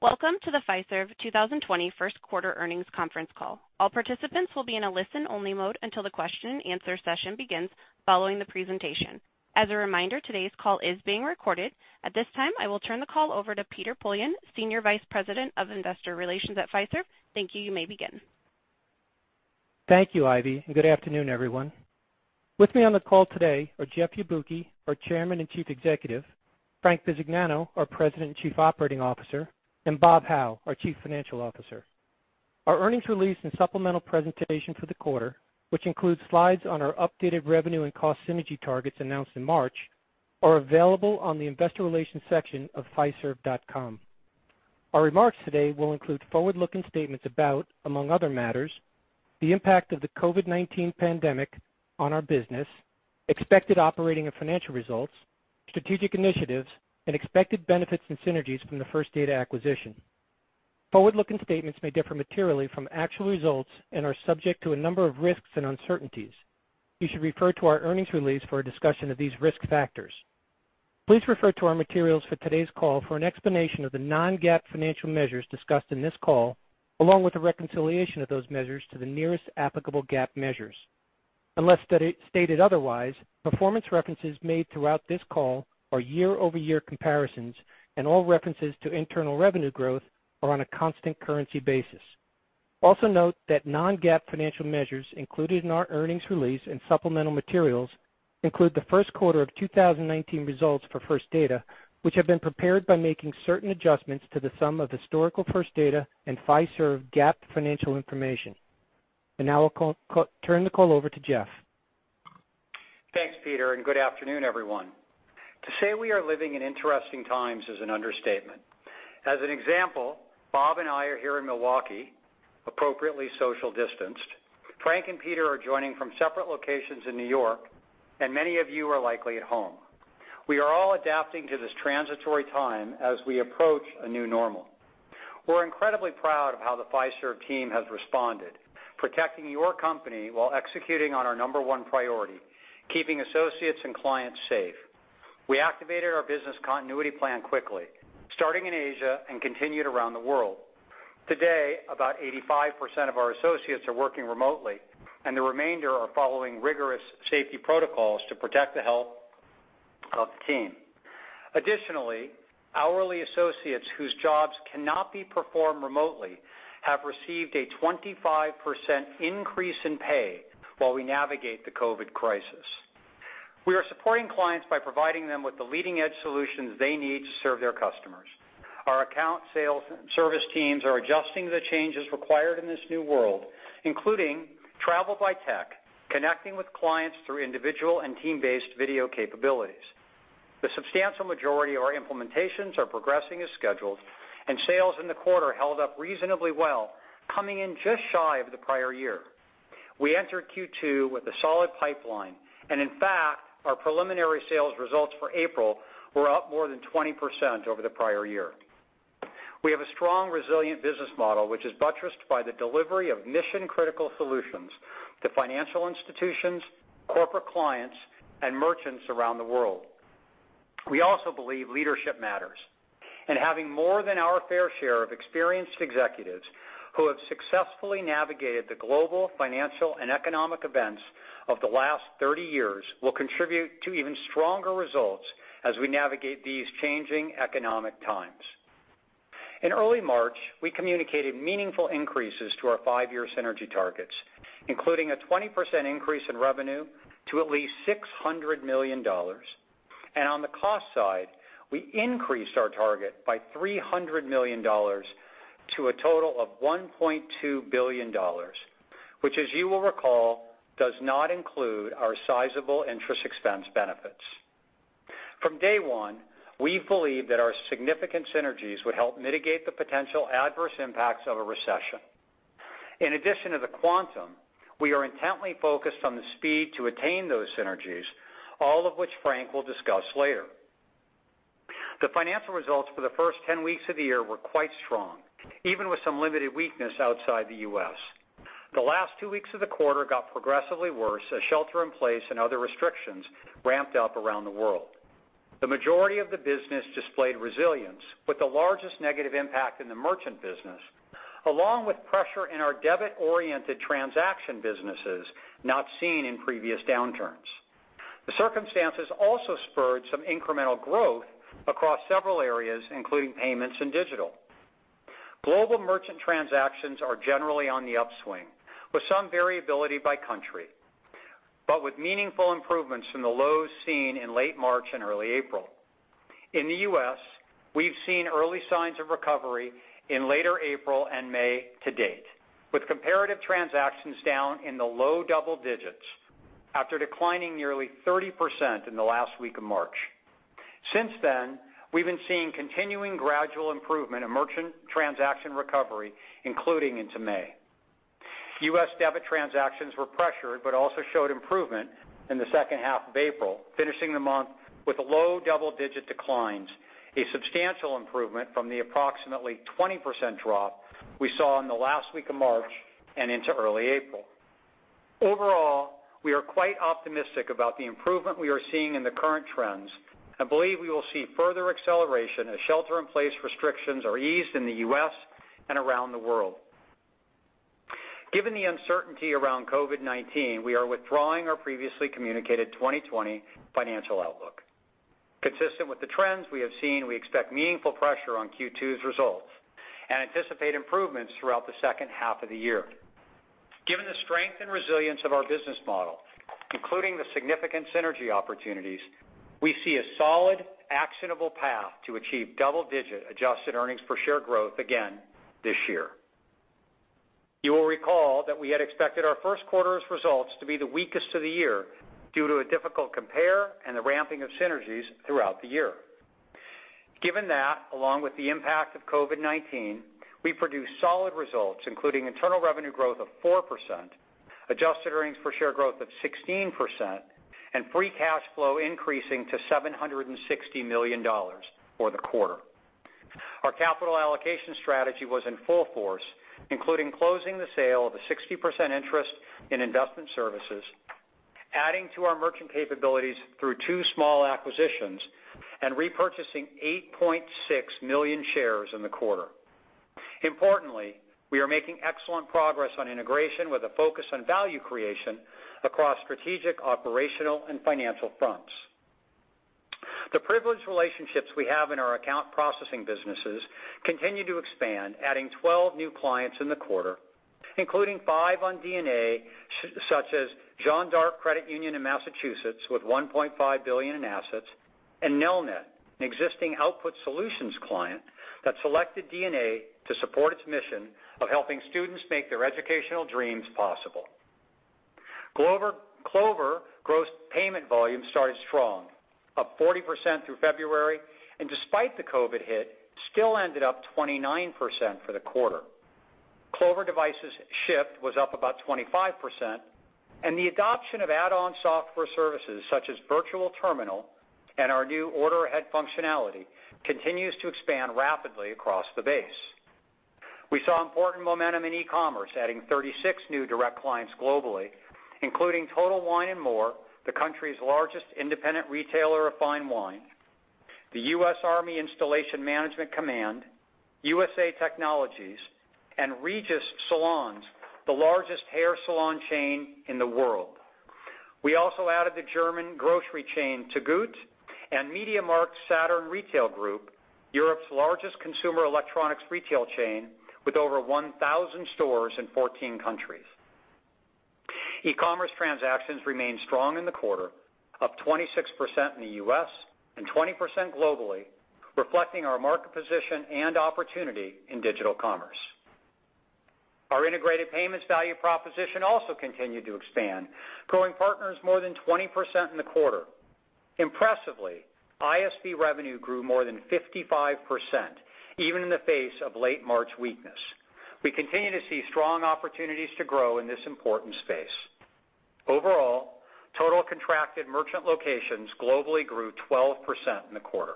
Welcome to the Fiserv 2020 First Quarter Earnings Conference Call. All participants will be in a listen-only mode until the question answer session begins following the presentation. As a reminder, today's call is being recorded. At this time, I will turn the call over to Peter Poillon, Senior Vice President of Investor Relations at Fiserv. Thank you. You may begin. Thank you, Ivy, and good afternoon, everyone. With me on the call today are Jeff Yabuki, our Chairman and Chief Executive, Frank Bisignano, our President and Chief Operating Officer, and Bob Hau, our Chief Financial Officer. Our earnings release and supplemental presentation for the quarter, which includes slides on our updated revenue and cost synergy targets announced in March, are available on the Investor Relations section of fiserv.com. Our remarks today will include forward-looking statements about, among other matters, the impact of the COVID-19 pandemic on our business, expected operating and financial results, strategic initiatives, and expected benefits and synergies from the First Data acquisition. Forward-looking statements may differ materially from actual results and are subject to a number of risks and uncertainties. You should refer to our earnings release for a discussion of these risk factors. Please refer to our materials for today's call for an explanation of the non-GAAP financial measures discussed in this call, along with a reconciliation of those measures to the nearest applicable GAAP measures. Unless stated otherwise, performance references made throughout this call are year-over-year comparisons, all references to internal revenue growth are on a constant currency basis. Also note that non-GAAP financial measures included in our earnings release and supplemental materials include the first quarter of 2019 results for First Data, which have been prepared by making certain adjustments to the sum of historical First Data and Fiserv GAAP financial information. Now I'll turn the call over to Jeff. Thanks, Peter. Good afternoon, everyone. To say we are living in interesting times is an understatement. As an example, Bob and I are here in Milwaukee, appropriately social distanced. Frank and Peter are joining from separate locations in New York, and many of you are likely at home. We are all adapting to this transitory time as we approach a new normal. We're incredibly proud of how the Fiserv team has responded, protecting your company while executing on our number one priority, keeping associates and clients safe. We activated our business continuity plan quickly, starting in Asia and continued around the world. Today, about 85% of our associates are working remotely, and the remainder are following rigorous safety protocols to protect the health of the team. Additionally, hourly associates whose jobs cannot be performed remotely have received a 25% increase in pay while we navigate the COVID crisis. We are supporting clients by providing them with the leading-edge solutions they need to serve their customers. Our account sales service teams are adjusting to the changes required in this new world, including travel by tech, connecting with clients through individual and team-based video capabilities. The substantial majority of our implementations are progressing as scheduled, and sales in the quarter held up reasonably well, coming in just shy of the prior year. We entered Q2 with a solid pipeline, in fact, our preliminary sales results for April were up more than 20% over the prior year. We have a strong, resilient business model, which is buttressed by the delivery of mission-critical solutions to financial institutions, corporate clients, and merchants around the world. We also believe leadership matters, and having more than our fair share of experienced executives who have successfully navigated the global financial and economic events of the last 30 years will contribute to even stronger results as we navigate these changing economic times. In early March, we communicated meaningful increases to our five-year synergy targets, including a 20% increase in revenue to at least $600 million. On the cost side, we increased our target by $300 million to a total of $1.2 billion, which as you will recall, does not include our sizable interest expense benefits. From day one, we've believed that our significant synergies would help mitigate the potential adverse impacts of a recession. In addition to the quantum, we are intently focused on the speed to attain those synergies, all of which Frank will discuss later. The financial results for the first 10 weeks of the year were quite strong, even with some limited weakness outside the U.S. The last two weeks of the quarter got progressively worse as shelter in place and other restrictions ramped up around the world. The majority of the business displayed resilience, with the largest negative impact in the merchant business, along with pressure in our debit-oriented transaction businesses not seen in previous downturns. The circumstances also spurred some incremental growth across several areas, including payments and digital. Global merchant transactions are generally on the upswing with some variability by country, but with meaningful improvements from the lows seen in late March and early April. In the U.S., we've seen early signs of recovery in later April and May to date, with comparative transactions down in the low double digits after declining nearly 30% in the last week of March. Since then, we've been seeing continuing gradual improvement in merchant transaction recovery, including into May. U.S. debit transactions were pressured but also showed improvement in the second half of April, finishing the month with low double-digit declines, a substantial improvement from the approximately 20% drop we saw in the last week of March and into early April. Overall, we are quite optimistic about the improvement we are seeing in the current trends and believe we will see further acceleration as shelter-in-place restrictions are eased in the U.S. and around the world. Given the uncertainty around COVID-19, we are withdrawing our previously communicated 2020 financial outlook. Consistent with the trends we have seen, we expect meaningful pressure on Q2's results and anticipate improvements throughout the second half of the year. Given the strength and resilience of our business model, including the significant synergy opportunities, we see a solid, actionable path to achieve double-digit adjusted earnings per share growth again this year. You will recall that we had expected our first quarter's results to be the weakest of the year due to a difficult compare and the ramping of synergies throughout the year. Given that, along with the impact of COVID-19, we produced solid results, including internal revenue growth of 4%, adjusted earnings per share growth of 16%, and free cash flow increasing to $760 million for the quarter. Our capital allocation strategy was in full force, including closing the sale of a 60% interest in Investment Services, adding to our merchant capabilities through two small acquisitions, and repurchasing 8.6 million shares in the quarter. Importantly, we are making excellent progress on integration with a focus on value creation across strategic, operational, and financial fronts. The privileged relationships we have in our account processing businesses continue to expand, adding 12 new clients in the quarter, including five on DNA, such as Jeanne D'Arc Credit Union in Massachusetts with $1.5 billion in assets, and Nelnet, an existing Output Solutions client that selected DNA to support its mission of helping students make their educational dreams possible. Clover gross payment volume started strong, up 40% through February, and despite the COVID-19 hit, still ended up 29% for the quarter. Clover devices shipped was up about 25%, and the adoption of add-on software services such as Virtual Terminal and our new Order Ahead functionality continues to expand rapidly across the base. We saw important momentum in e-commerce, adding 36 new direct clients globally, including Total Wine & More, the country's largest independent retailer of fine wine, the U.S. Army Installation Management Command, USA Technologies, and Regis Salons, the largest hair salon chain in the world. We also added the German grocery chain, Tegut, and MediaMarktSaturn Retail Group, Europe's largest consumer electronics retail chain with over 1,000 stores in 14 countries. E-commerce transactions remained strong in the quarter, up 26% in the U.S. and 20% globally, reflecting our market position and opportunity in digital commerce. Our integrated payments value proposition also continued to expand, growing partners more than 20% in the quarter. Impressively, ISV revenue grew more than 55%, even in the face of late March weakness. We continue to see strong opportunities to grow in this important space. Overall, total contracted merchant locations globally grew 12% in the quarter.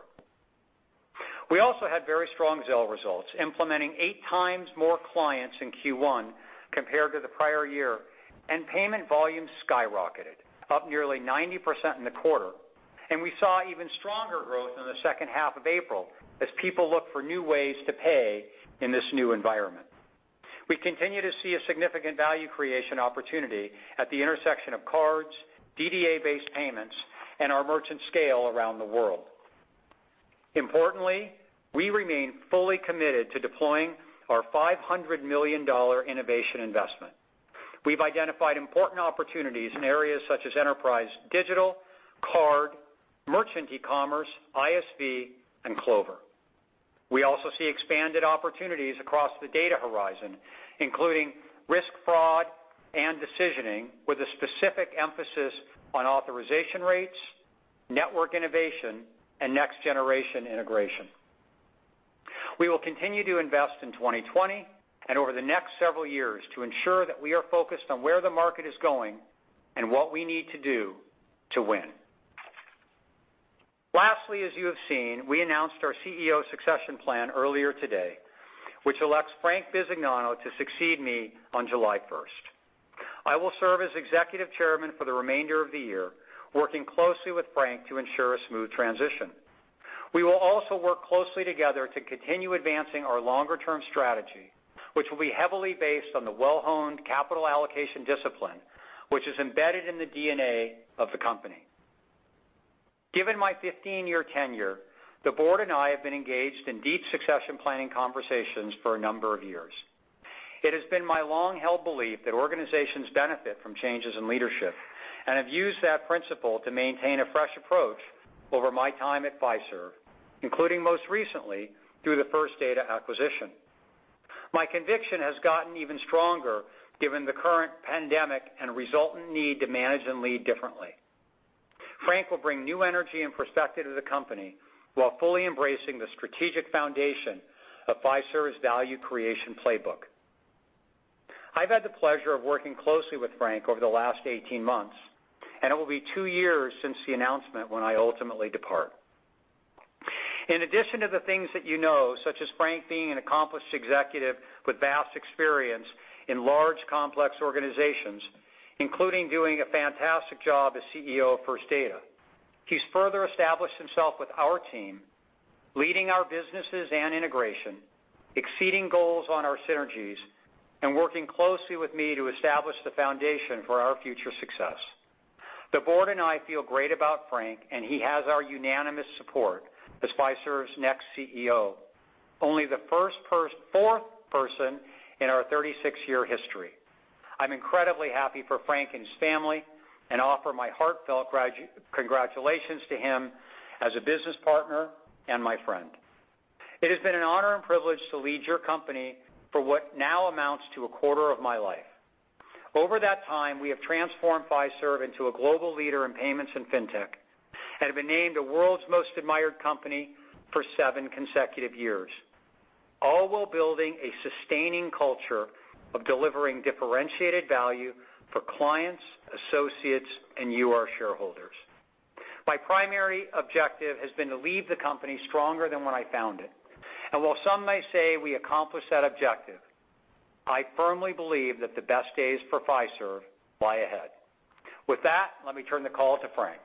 We also had very strong Zelle results, implementing eight times more clients in Q1 compared to the prior year, and payment volume skyrocketed, up nearly 90% in the quarter, and we saw even stronger growth in the second half of April as people look for new ways to pay in this new environment. We continue to see a significant value creation opportunity at the intersection of cards, DDA-based payments, and our merchant scale around the world. Importantly, we remain fully committed to deploying our $500 million innovation investment. We've identified important opportunities in areas such as enterprise digital, card, merchant e-commerce, ISV, and Clover. We also see expanded opportunities across the data horizon, including risk fraud and decisioning with a specific emphasis on authorization rates, network innovation, and next-generation integration. We will continue to invest in 2020 and over the next several years to ensure that we are focused on where the market is going and what we need to do to win. Lastly, as you have seen, we announced our CEO succession plan earlier today, which elects Frank Bisignano to succeed me on July 1st. I will serve as Executive Chairman for the remainder of the year, working closely with Frank to ensure a smooth transition. We will also work closely together to continue advancing our longer-term strategy, which will be heavily based on the well-honed capital allocation discipline, which is embedded in the DNA of the company. Given my 15-year tenure, the board and I have been engaged in deep succession planning conversations for a number of years. It has been my long-held belief that organizations benefit from changes in leadership and have used that principle to maintain a fresh approach over my time at Fiserv, including most recently through the First Data acquisition. My conviction has gotten even stronger given the current pandemic and resultant need to manage and lead differently. Frank will bring new energy and perspective to the company while fully embracing the strategic foundation of Fiserv's value creation playbook. I've had the pleasure of working closely with Frank over the last 18 months, and it will be two years since the announcement when I ultimately depart. In addition to the things that you know, such as Frank being an accomplished executive with vast experience in large, complex organizations, including doing a fantastic job as CEO of First Data, he's further established himself with our team, leading our businesses and integration, exceeding goals on our synergies, and working closely with me to establish the foundation for our future success. The board and I feel great about Frank, and he has our unanimous support as Fiserv's next CEO, only the fourth person in our 36-year history. I'm incredibly happy for Frank and his family and offer my heartfelt congratulations to him as a business partner and my friend. It has been an honor and privilege to lead your company for what now amounts to a quarter of my life. Over that time, we have transformed Fiserv into a global leader in payments and fintech, and have been named the world's most admired company for seven consecutive years, all while building a sustaining culture of delivering differentiated value for clients, associates, and you, our shareholders. My primary objective has been to leave the company stronger than when I found it. While some may say we accomplished that objective, I firmly believe that the best days for Fiserv lie ahead. With that, let me turn the call to Frank.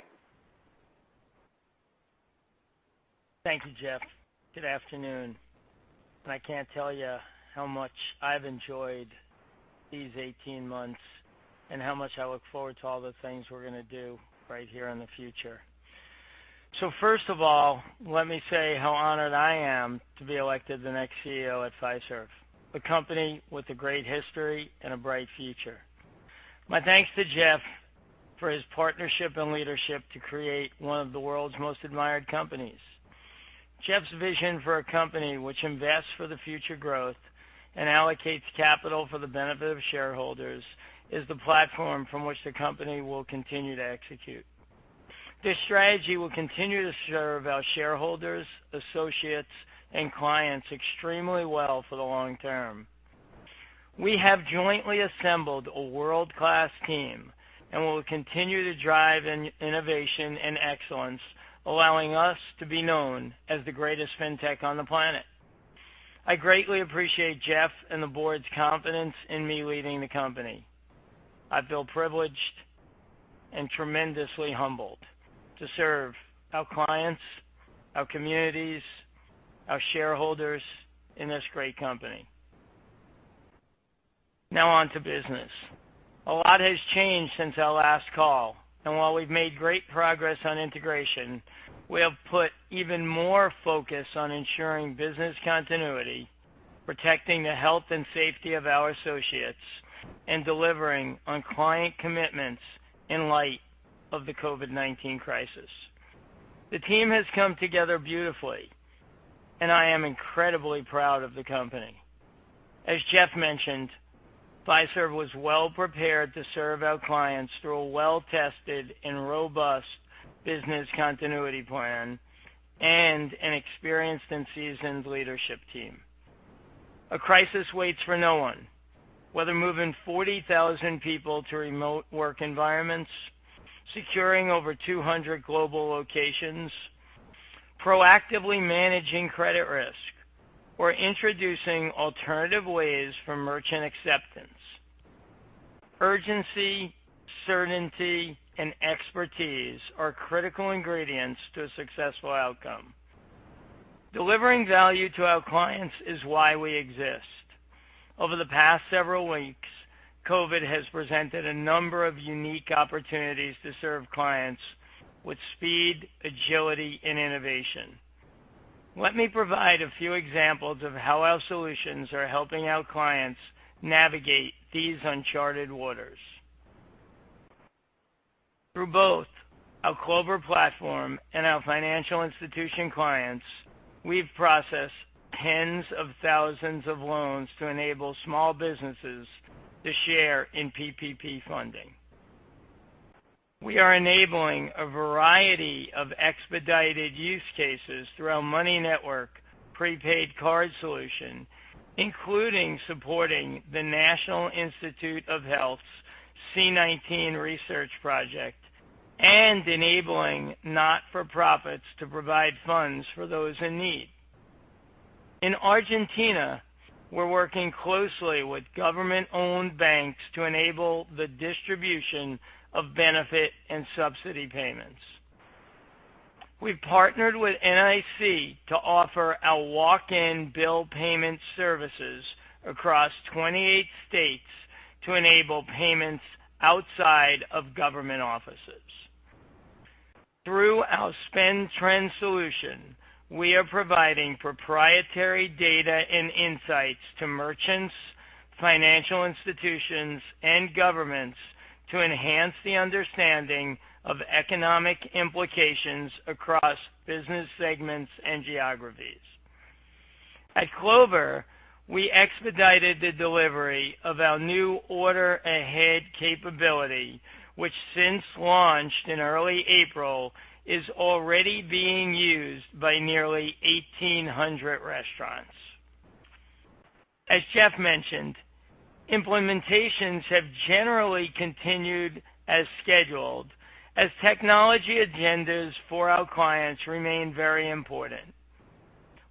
Thank you, Jeff. Good afternoon. I can't tell you how much I've enjoyed these 18 months and how much I look forward to all the things we're going to do right here in the future. First of all, let me say how honored I am to be elected the next CEO at Fiserv, a company with a great history and a bright future. My thanks to Jeff for his partnership and leadership to create one of the world's most admired companies. Jeff's vision for a company which invests for the future growth and allocates capital for the benefit of shareholders is the platform from which the company will continue to execute. This strategy will continue to serve our shareholders, associates, and clients extremely well for the long term. We have jointly assembled a world-class team and will continue to drive innovation and excellence, allowing us to be known as the greatest fintech on the planet. I greatly appreciate Jeff and the board's confidence in me leading the company. I feel privileged and tremendously humbled to serve our clients, our communities, our shareholders in this great company. Now on to business. A lot has changed since our last call, and while we've made great progress on integration, we have put even more focus on ensuring business continuity, protecting the health and safety of our associates, and delivering on client commitments in light of the COVID-19 crisis. The team has come together beautifully, and I am incredibly proud of the company. As Jeff mentioned, Fiserv was well-prepared to serve our clients through a well-tested and robust business continuity plan and an experienced and seasoned leadership team. A crisis waits for no one, whether moving 40,000 people to remote work environments, securing over 200 global locations, proactively managing credit risk, or introducing alternative ways for merchant acceptance. Urgency, certainty, and expertise are critical ingredients to a successful outcome. Delivering value to our clients is why we exist. Over the past several weeks, COVID has presented a number of unique opportunities to serve clients with speed, agility, and innovation. Let me provide a few examples of how our solutions are helping our clients navigate these uncharted waters. Through both our Clover platform and our financial institution clients, we've processed tens of thousands of loans to enable small businesses to share in PPP funding. We are enabling a variety of expedited use cases through our Money Network prepaid card solution, including supporting the National Institutes of Health's COVID-19 Research Project and enabling not-for-profits to provide funds for those in need. In Argentina, we're working closely with government-owned banks to enable the distribution of benefit and subsidy payments. We've partnered with NIC to offer our walk-in bill payment services across 28 states to enable payments outside of government offices. Through our SpendTrend solution, we are providing proprietary data and insights to merchants, financial institutions, and governments to enhance the understanding of economic implications across business segments and geographies. At Clover, we expedited the delivery of our new Order Ahead capability, which since launched in early April, is already being used by nearly 1,800 restaurants. As Jeff mentioned, implementations have generally continued as scheduled as technology agendas for our clients remain very important.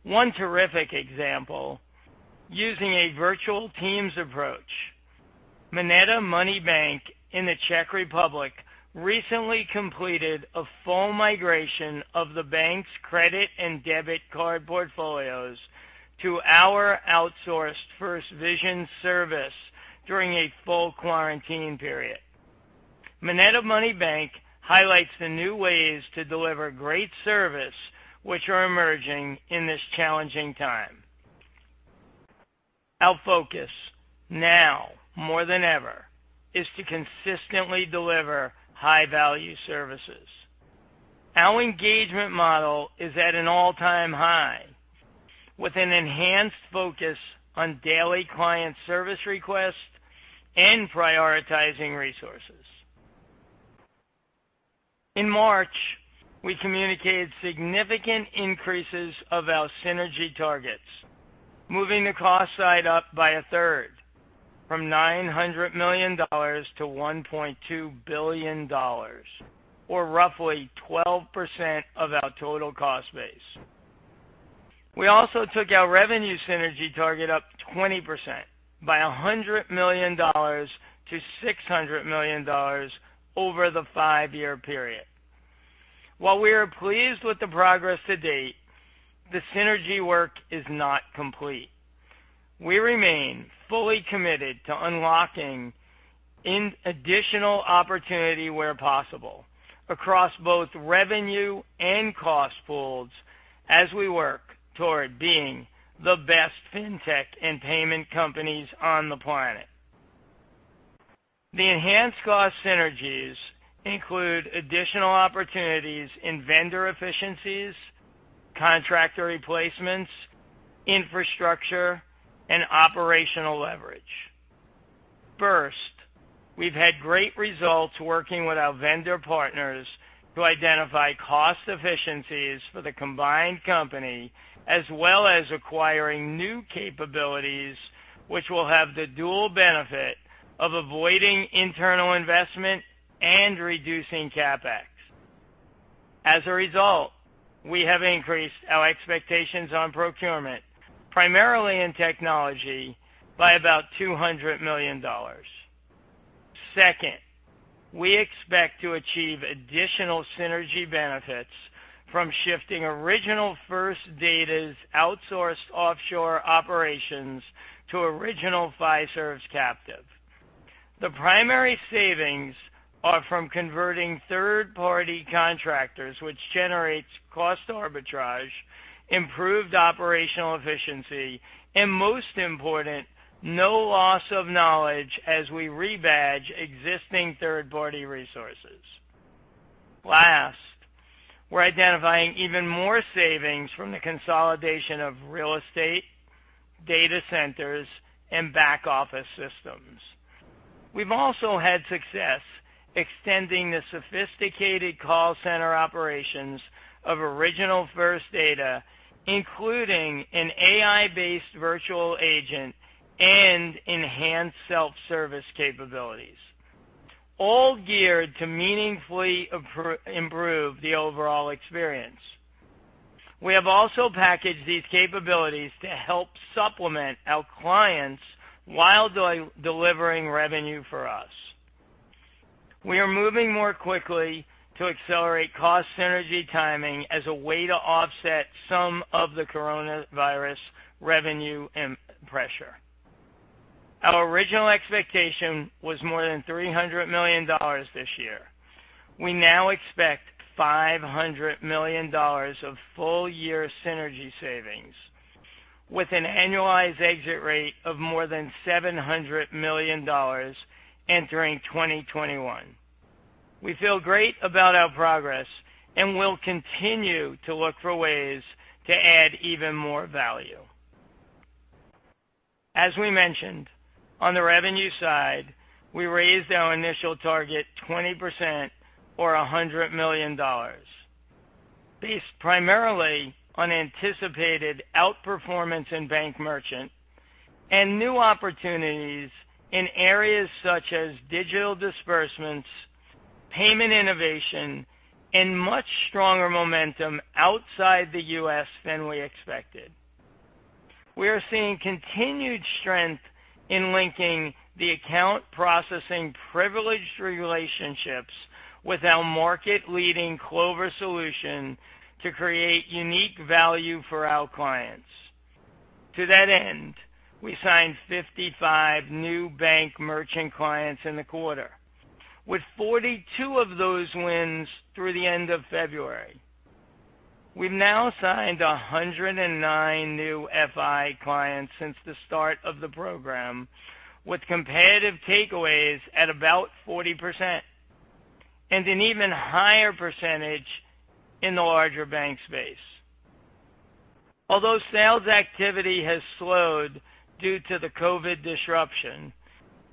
One terrific example, using a virtual teams approach. MONETA Money Bank in the Czech Republic recently completed a full migration of the bank's credit and debit card portfolios to our outsourced FirstVision service during a full quarantine period. MONETA Money Bank highlights the new ways to deliver great service which are emerging in this challenging time. Our focus now more than ever is to consistently deliver high-value services. Our engagement model is at an all-time high with an enhanced focus on daily client service requests and prioritizing resources. In March, we communicated significant increases of our synergy targets, moving the cost side up by a third from $900 million-$1.2 billion, or roughly 12% of our total cost base. We also took our revenue synergy target up 20% by $100 million-$600 million over the five-year period. While we are pleased with the progress to date, the synergy work is not complete. We remain fully committed to unlocking additional opportunity where possible across both revenue and cost pools as we work toward being the best fintech and payment companies on the planet. The enhanced cost synergies include additional opportunities in vendor efficiencies, contractor replacements, infrastructure, and operational leverage. First, we've had great results working with our vendor partners to identify cost efficiencies for the combined company, as well as acquiring new capabilities which will have the dual benefit of avoiding internal investment and reducing CapEx. As a result, we have increased our expectations on procurement, primarily in technology, by about $200 million. Second, we expect to achieve additional synergy benefits from shifting original First Data's outsourced offshore operations to original Fiserv's captive. The primary savings are from converting third-party contractors, which generates cost arbitrage, improved operational efficiency, and most important, no loss of knowledge as we rebadge existing third-party resources. Last, we're identifying even more savings from the consolidation of real estate, data centers, and back-office systems. We've also had success extending the sophisticated call center operations of original First Data, including an AI-based virtual agent and enhanced self-service capabilities, all geared to meaningfully improve the overall experience. We have also packaged these capabilities to help supplement our clients while delivering revenue for us. We are moving more quickly to accelerate cost synergy timing as a way to offset some of the COVID-19 revenue pressure. Our original expectation was more than $300 million this year. We now expect $500 million of full-year synergy savings with an annualized exit rate of more than $700 million entering 2021. We feel great about our progress and will continue to look for ways to add even more value. As we mentioned, on the revenue side, we raised our initial target 20% or $100 million based primarily on anticipated outperformance in bank merchant and new opportunities in areas such as digital disbursements, payment innovation, and much stronger momentum outside the U.S. than we expected. We are seeing continued strength in linking the account processing privileged relationships with our market-leading Clover solution to create unique value for our clients. To that end, we signed 55 new bank merchant clients in the quarter, with 42 of those wins through the end of February. We've now signed 109 new FI clients since the start of the program, with competitive takeaways at about 40% and an even higher percentage in the larger bank space. Although sales activity has slowed due to the COVID-19 disruption,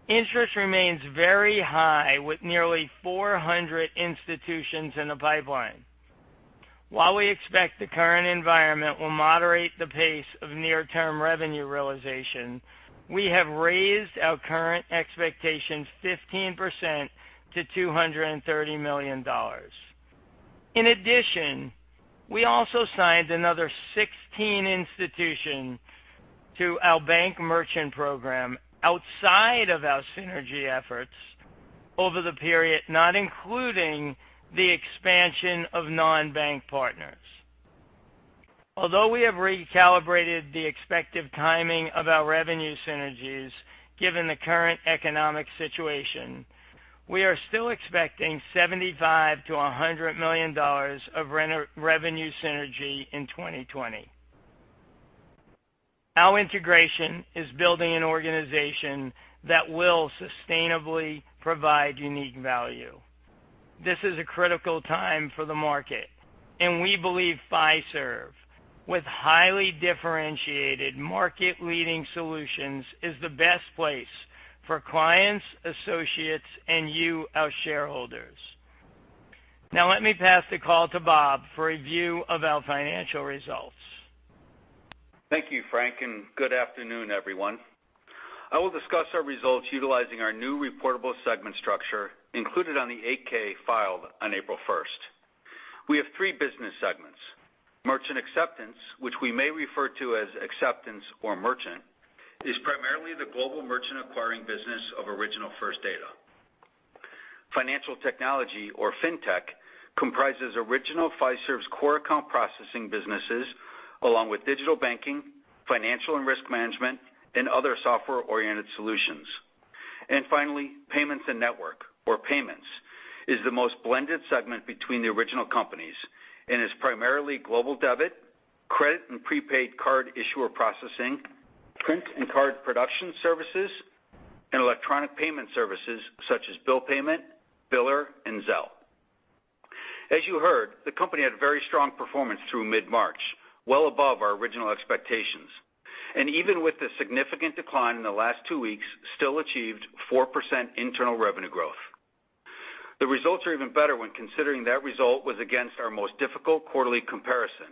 interest remains very high with nearly 400 institutions in the pipeline. We expect the current environment will moderate the pace of near-term revenue realization, we have raised our current expectations 15% to $230 million. In addition, we also signed another 16 institutions to our bank merchant program outside of our synergy efforts over the period, not including the expansion of non-bank partners. We have recalibrated the expected timing of our revenue synergies, given the current economic situation, we are still expecting $75 million-$100 million of revenue synergy in 2020. Our integration is building an organization that will sustainably provide unique value. This is a critical time for the market, and we believe Fiserv, with highly differentiated market-leading solutions, is the best place for clients, associates, and you, our shareholders. Let me pass the call to Bob for a review of our financial results. Thank you, Frank. Good afternoon, everyone. I will discuss our results utilizing our new reportable segment structure included on the 8-K filed on April 1st. We have three business segments. Merchant acceptance, which we may refer to as acceptance or merchant, is primarily the global merchant acquiring business of original First Data. Financial technology, or fintech, comprises original Fiserv's core account processing businesses, along with digital banking, financial and risk management, and other software-oriented solutions. Finally, payments and network, or payments, is the most blended segment between the original companies and is primarily global debit, credit, and prepaid card issuer processing, print and card production services, and electronic payment services such as bill payment, biller, and Zelle. As you heard, the company had very strong performance through mid-March, well above our original expectations. Even with the significant decline in the last two weeks, still achieved 4% internal revenue growth. The results are even better when considering that result was against our most difficult quarterly comparison,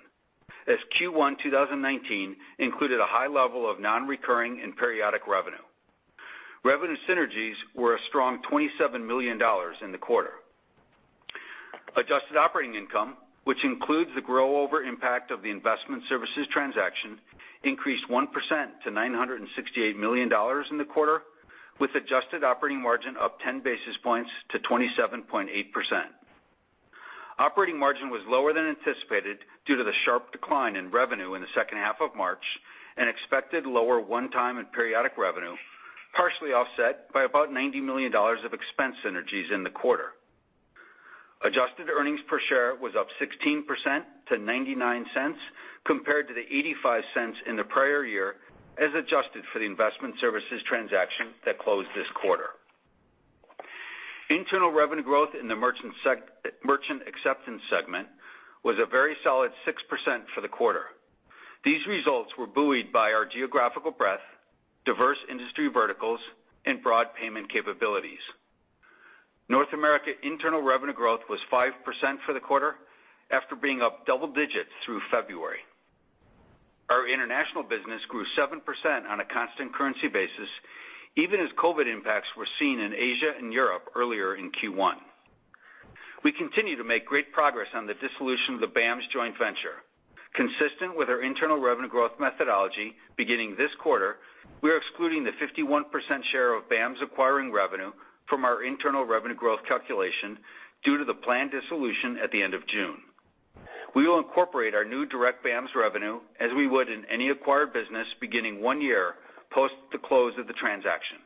as Q1 2019 included a high level of non-recurring and periodic revenue. Revenue synergies were a strong $27 million in the quarter. Adjusted operating income, which includes the grow-over impact of the Investment Services transaction, increased 1% to $968 million in the quarter, with adjusted operating margin up 10 basis points to 27.8%. Operating margin was lower than anticipated due to the sharp decline in revenue in the second half of March and expected lower one-time and periodic revenue, partially offset by about $90 million of expense synergies in the quarter. Adjusted earnings per share was up 16% to $0.99 compared to the $0.85 in the prior year, as adjusted for the Investment Services transaction that closed this quarter. Internal revenue growth in the merchant acceptance segment was a very solid 6% for the quarter. These results were buoyed by our geographical breadth, diverse industry verticals, and broad payment capabilities. North America internal revenue growth was 5% for the quarter after being up double digits through February. Our international business grew 7% on a constant currency basis, even as COVID impacts were seen in Asia and Europe earlier in Q1. We continue to make great progress on the dissolution of the BAMS joint venture. Consistent with our internal revenue growth methodology beginning this quarter, we are excluding the 51% share of BAMS acquiring revenue from our internal revenue growth calculation due to the planned dissolution at the end of June. We will incorporate our new direct BAMS revenue as we would in any acquired business beginning one year post the close of the transaction.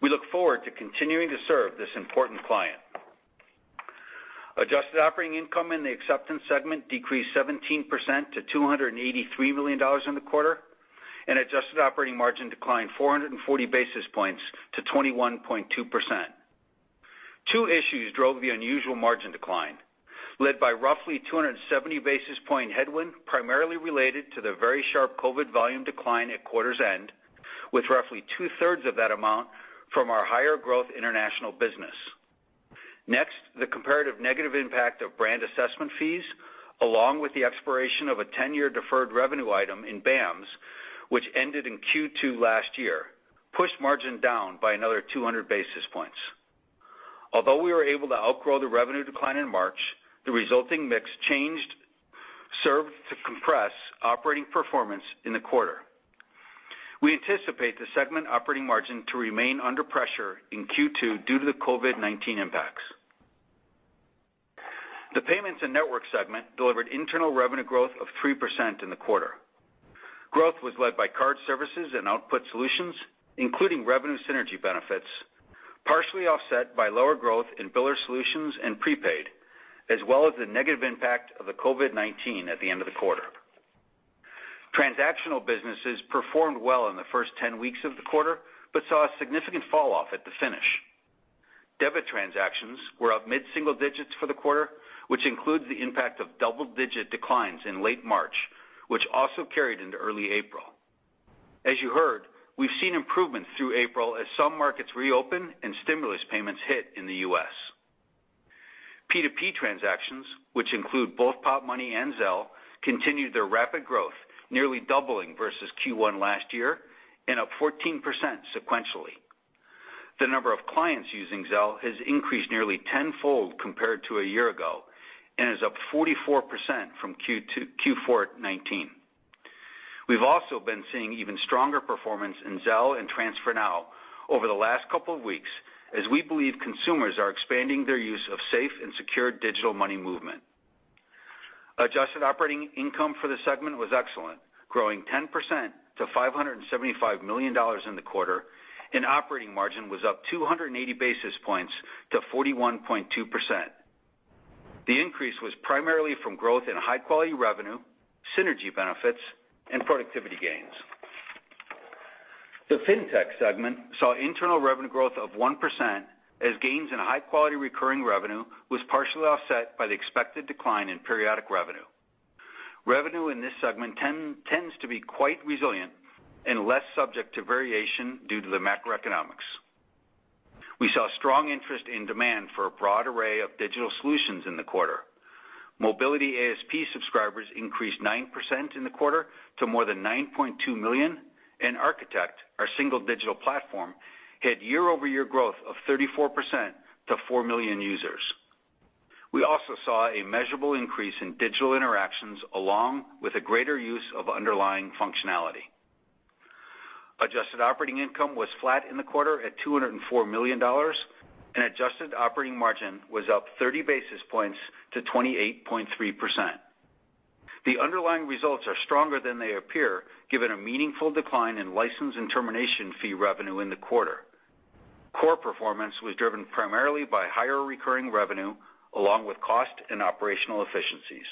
We look forward to continuing to serve this important client. Adjusted operating income in the acceptance segment decreased 17% to $283 million in the quarter, and adjusted operating margin declined 440 basis points to 21.2%. Two issues drove the unusual margin decline, led by roughly 270 basis point headwind primarily related to the very sharp COVID-19 volume decline at quarter's end, with roughly two-thirds of that amount from our higher growth international business. Next, the comparative negative impact of brand assessment fees, along with the expiration of a 10-year deferred revenue item in BAMS, which ended in Q2 last year, pushed margin down by another 200 basis points. Although we were able to outgrow the revenue decline in March, the resulting mix changed served to compress operating performance in the quarter. We anticipate the segment operating margin to remain under pressure in Q2 due to the COVID-19 impacts. The payments and network segment delivered internal revenue growth of 3% in the quarter. Growth was led by card services and Output Solutions, including revenue synergy benefits, partially offset by lower growth in biller solutions and prepaid, as well as the negative impact of the COVID-19 at the end of the quarter. Transactional businesses performed well in the first 10 weeks of the quarter but saw a significant fall off at the finish. Debit transactions were up mid-single digits for the quarter, which includes the impact of double-digit declines in late March, which also carried into early April. As you heard, we've seen improvements through April as some markets reopen and stimulus payments hit in the U.S. P2P transactions, which include both Popmoney and Zelle, continued their rapid growth, nearly doubling versus Q1 last year and up 14% sequentially. The number of clients using Zelle has increased nearly tenfold compared to a year ago and is up 44% from Q4 2019. We've also been seeing even stronger performance in Zelle and TransferNow over the last couple of weeks, as we believe consumers are expanding their use of safe and secure digital money movement. Adjusted operating income for the segment was excellent, growing 10% to $575 million in the quarter, and operating margin was up 280 basis points to 41.2%. The increase was primarily from growth in high-quality revenue, synergy benefits, and productivity gains. The FinTech segment saw internal revenue growth of 1% as gains in high-quality recurring revenue was partially offset by the expected decline in periodic revenue. Revenue in this segment tends to be quite resilient and less subject to variation due to the macroeconomics. We saw strong interest in demand for a broad array of digital solutions in the quarter. Mobiliti ASP subscribers increased 9% in the quarter to more than 9.2 million, and Architect, our single digital platform, had year-over-year growth of 34% to 4 million users. We also saw a measurable increase in digital interactions along with a greater use of underlying functionality. Adjusted operating income was flat in the quarter at $204 million, and adjusted operating margin was up 30 basis points to 28.3%. The underlying results are stronger than they appear, given a meaningful decline in license and termination fee revenue in the quarter. Core performance was driven primarily by higher recurring revenue, along with cost and operational efficiencies.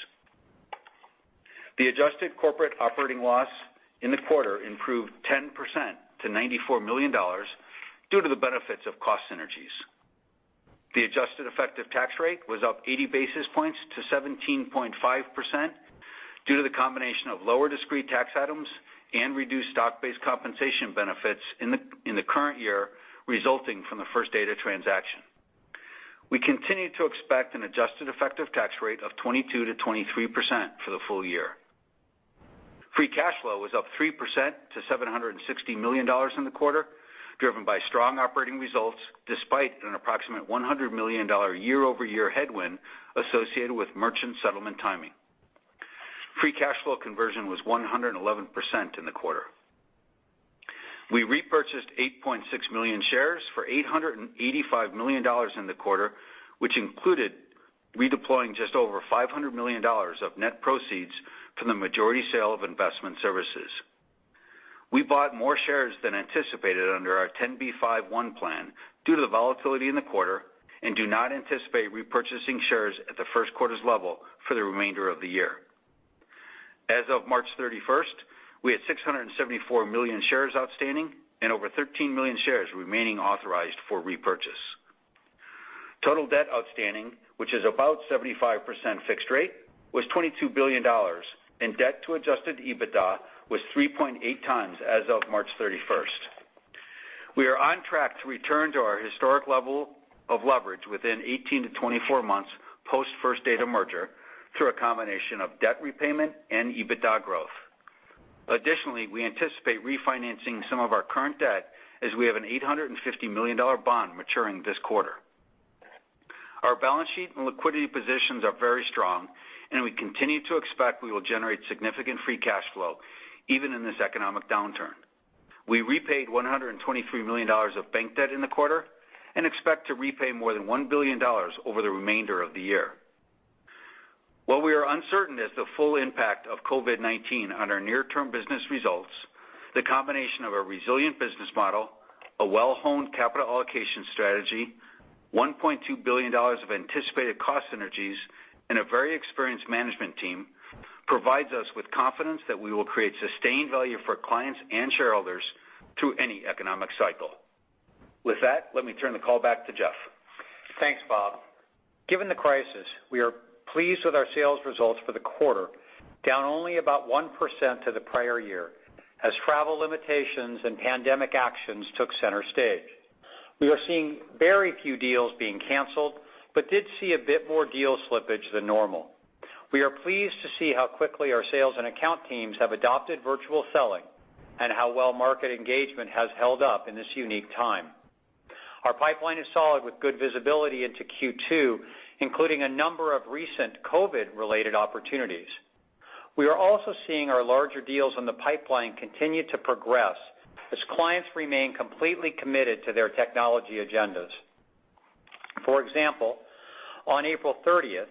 The adjusted corporate operating loss in the quarter improved 10% to $94 million due to the benefits of cost synergies. The adjusted effective tax rate was up 80 basis points to 17.5% due to the combination of lower discrete tax items and reduced stock-based compensation benefits in the current year, resulting from the First Data transaction. We continue to expect an adjusted effective tax rate of 22%-23% for the full year. Free cash flow was up 3% to $760 million in the quarter, driven by strong operating results, despite an approximate $100-million year-over-year headwind associated with merchant settlement timing. Free cash flow conversion was 111% in the quarter. We repurchased 8.6 million shares for $885 million in the quarter, which included redeploying just over $500 million of net proceeds from the majority sale of Investment Services. We bought more shares than anticipated under our 10b5-1 plan due to the volatility in the quarter and do not anticipate repurchasing shares at the first quarter's level for the remainder of the year. As of March 31st, we had 674 million shares outstanding and over 13 million shares remaining authorized for repurchase. Total debt outstanding, which is about 75% fixed rate, was $22 billion, and debt to adjusted EBITDA was 3.8 times as of March 31st. We are on track to return to our historic level of leverage within 18-24 months post First Data merger through a combination of debt repayment and EBITDA growth. Additionally, we anticipate refinancing some of our current debt as we have an $850 million bond maturing this quarter. Our balance sheet and liquidity positions are very strong, and we continue to expect we will generate significant free cash flow, even in this economic downturn. We repaid $123 million of bank debt in the quarter and expect to repay more than $1 billion over the remainder of the year. While we are uncertain as to the full impact of COVID-19 on our near-term business results, the combination of a resilient business model, a well-honed capital allocation strategy, $1.2 billion of anticipated cost synergies, and a very experienced management team provides us with confidence that we will create sustained value for clients and shareholders through any economic cycle. With that, let me turn the call back to Jeff. Thanks, Bob. Given the crisis, we are pleased with our sales results for the quarter, down only about 1% to the prior year as travel limitations and pandemic actions took center stage. We are seeing very few deals being canceled but did see a bit more deal slippage than normal. We are pleased to see how quickly our sales and account teams have adopted virtual selling and how well market engagement has held up in this unique time. Our pipeline is solid with good visibility into Q2, including a number of recent COVID-related opportunities. We are also seeing our larger deals in the pipeline continue to progress as clients remain completely committed to their technology agendas. For example, on April 30th,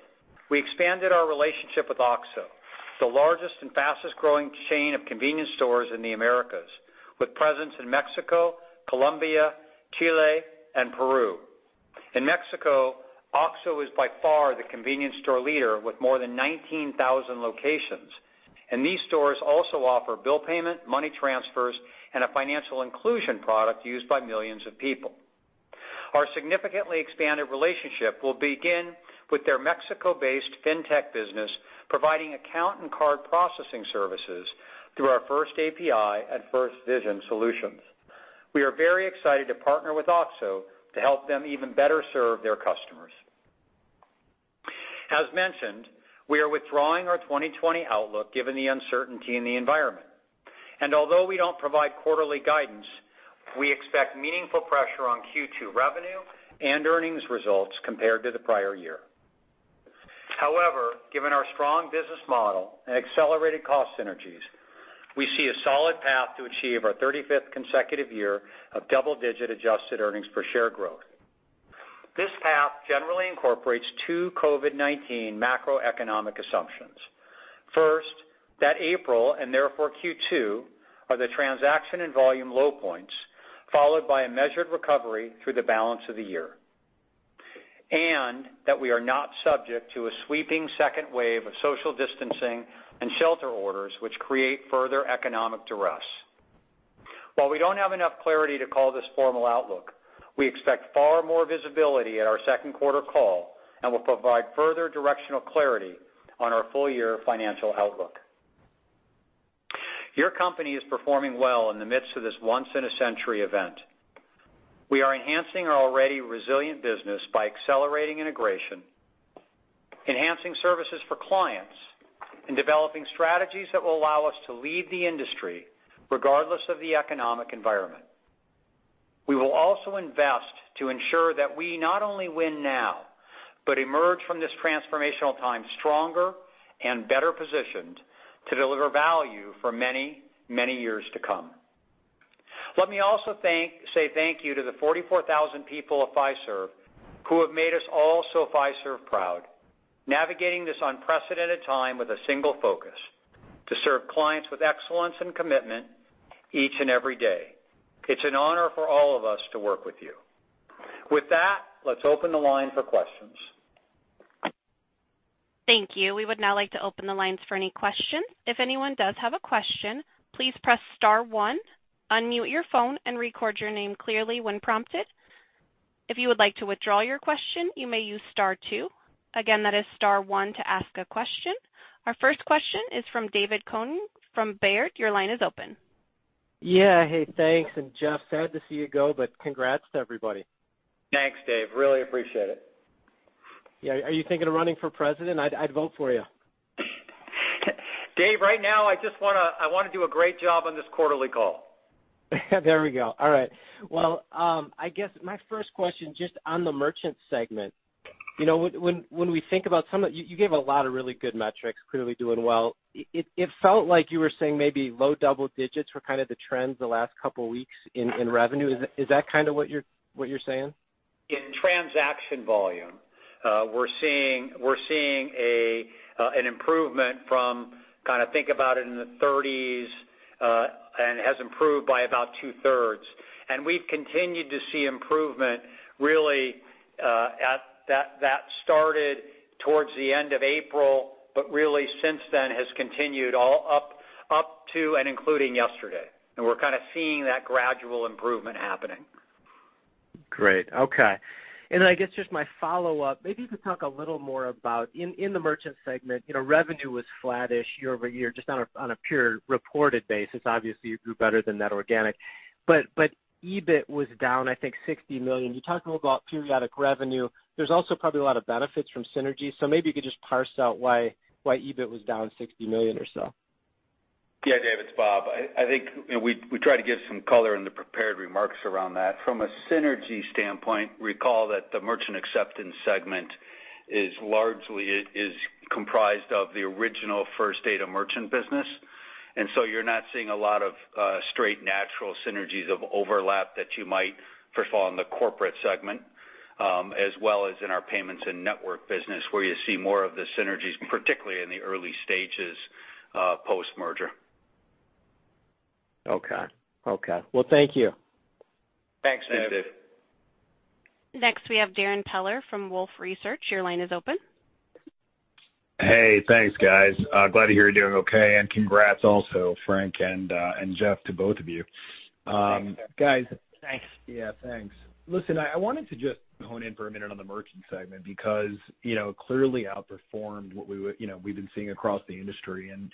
we expanded our relationship with OXXO, the largest and fastest-growing chain of convenience stores in the Americas, with presence in Mexico, Colombia, Chile, and Peru. In Mexico, OXXO is by far the convenience store leader with more than 19,000 locations, and these stores also offer bill payment, money transfers, and a financial inclusion product used by millions of people. Our significantly expanded relationship will begin with their Mexico-based fintech business, providing account and card processing services through our FirstAPI and FirstVision solutions. We are very excited to partner with OXXO to help them even better serve their customers. As mentioned, we are withdrawing our 2020 outlook given the uncertainty in the environment. Although we don't provide quarterly guidance, we expect meaningful pressure on Q2 revenue and earnings results compared to the prior year. However, given our strong business model and accelerated cost synergies, we see a solid path to achieve our 35th consecutive year of double-digit adjusted earnings per share growth. This path generally incorporates two COVID-19 macroeconomic assumptions. First, that April, and therefore Q2, are the transaction and volume low points, followed by a measured recovery through the balance of the year, and that we are not subject to a sweeping second wave of social distancing and shelter orders which create further economic duress. While we don't have enough clarity to call this formal outlook, we expect far more visibility at our second quarter call and will provide further directional clarity on our full-year financial outlook. Your company is performing well in the midst of this once-in-a-century event. We are enhancing our already resilient business by accelerating integration, enhancing services for clients, and developing strategies that will allow us to lead the industry regardless of the economic environment. We will also invest to ensure that we not only win now but emerge from this transformational time stronger and better positioned to deliver value for many, many years to come. Let me also say thank you to the 44,000 people of Fiserv who have made us all so Fiserv proud, navigating this unprecedented time with a single focus: to serve clients with excellence and commitment each and every day. It's an honor for all of us to work with you. With that, let's open the line for questions. Thank you. We would now like to open the lines for any questions. If anyone does have a question, please press star one, unmute your phone and record your name clearly when prompted. If you would like to withdraw your question, you may use star two. Again, that is star one to ask a question. Our first question is from David Koning from Baird. Your line is open. Yeah. Hey, thanks. Jeff, sad to see you go, but congrats to everybody. Thanks, Dave. Really appreciate it. Yeah. Are you thinking of running for president? I'd vote for you. Dave, right now I just want to do a great job on this quarterly call. There we go. All right. I guess my first question, just on the merchant segment. You gave a lot of really good metrics, clearly doing well. It felt like you were saying maybe low double digits were kind of the trends the last couple of weeks in revenue. Is that kind of what you're saying? In transaction volume, we're seeing an improvement from think about it in the 30s. It has improved by about two-thirds. We've continued to see improvement, really, that started towards the end of April, since then has continued all up to and including yesterday. We're kind of seeing that gradual improvement happening. Great. Okay. I guess just my follow-up, maybe you could talk a little more about in the merchant segment, revenue was flattish year-over-year, just on a pure reported basis. Obviously, you grew better than that organic. EBIT was down, I think, $60 million. You talked a little about periodic revenue. There's also probably a lot of benefits from synergy. Maybe you could just parse out why EBIT was down $60 million or so. Yeah, David, it's Bob. I think we tried to give some color in the prepared remarks around that. From a synergy standpoint, recall that the Merchant Acceptance Segment is largely comprised of the original First Data merchant business. You're not seeing a lot of straight natural synergies of overlap that you might, first of all, in the Corporate Segment, as well as in our Payments and Network Business, where you see more of the synergies, particularly in the early stages post-merger. Okay. Well, thank you. Thanks, Dave. Thanks. Next, we have Darrin Peller from Wolfe Research. Your line is open. Hey, thanks guys. Glad to hear you're doing okay and congrats also, Frank and Jeff, to both of you. Thanks. Guys. Thanks. Yeah, thanks. Listen, I wanted to just hone in for a minute on the merchant segment because clearly outperformed what we've been seeing across the industry, and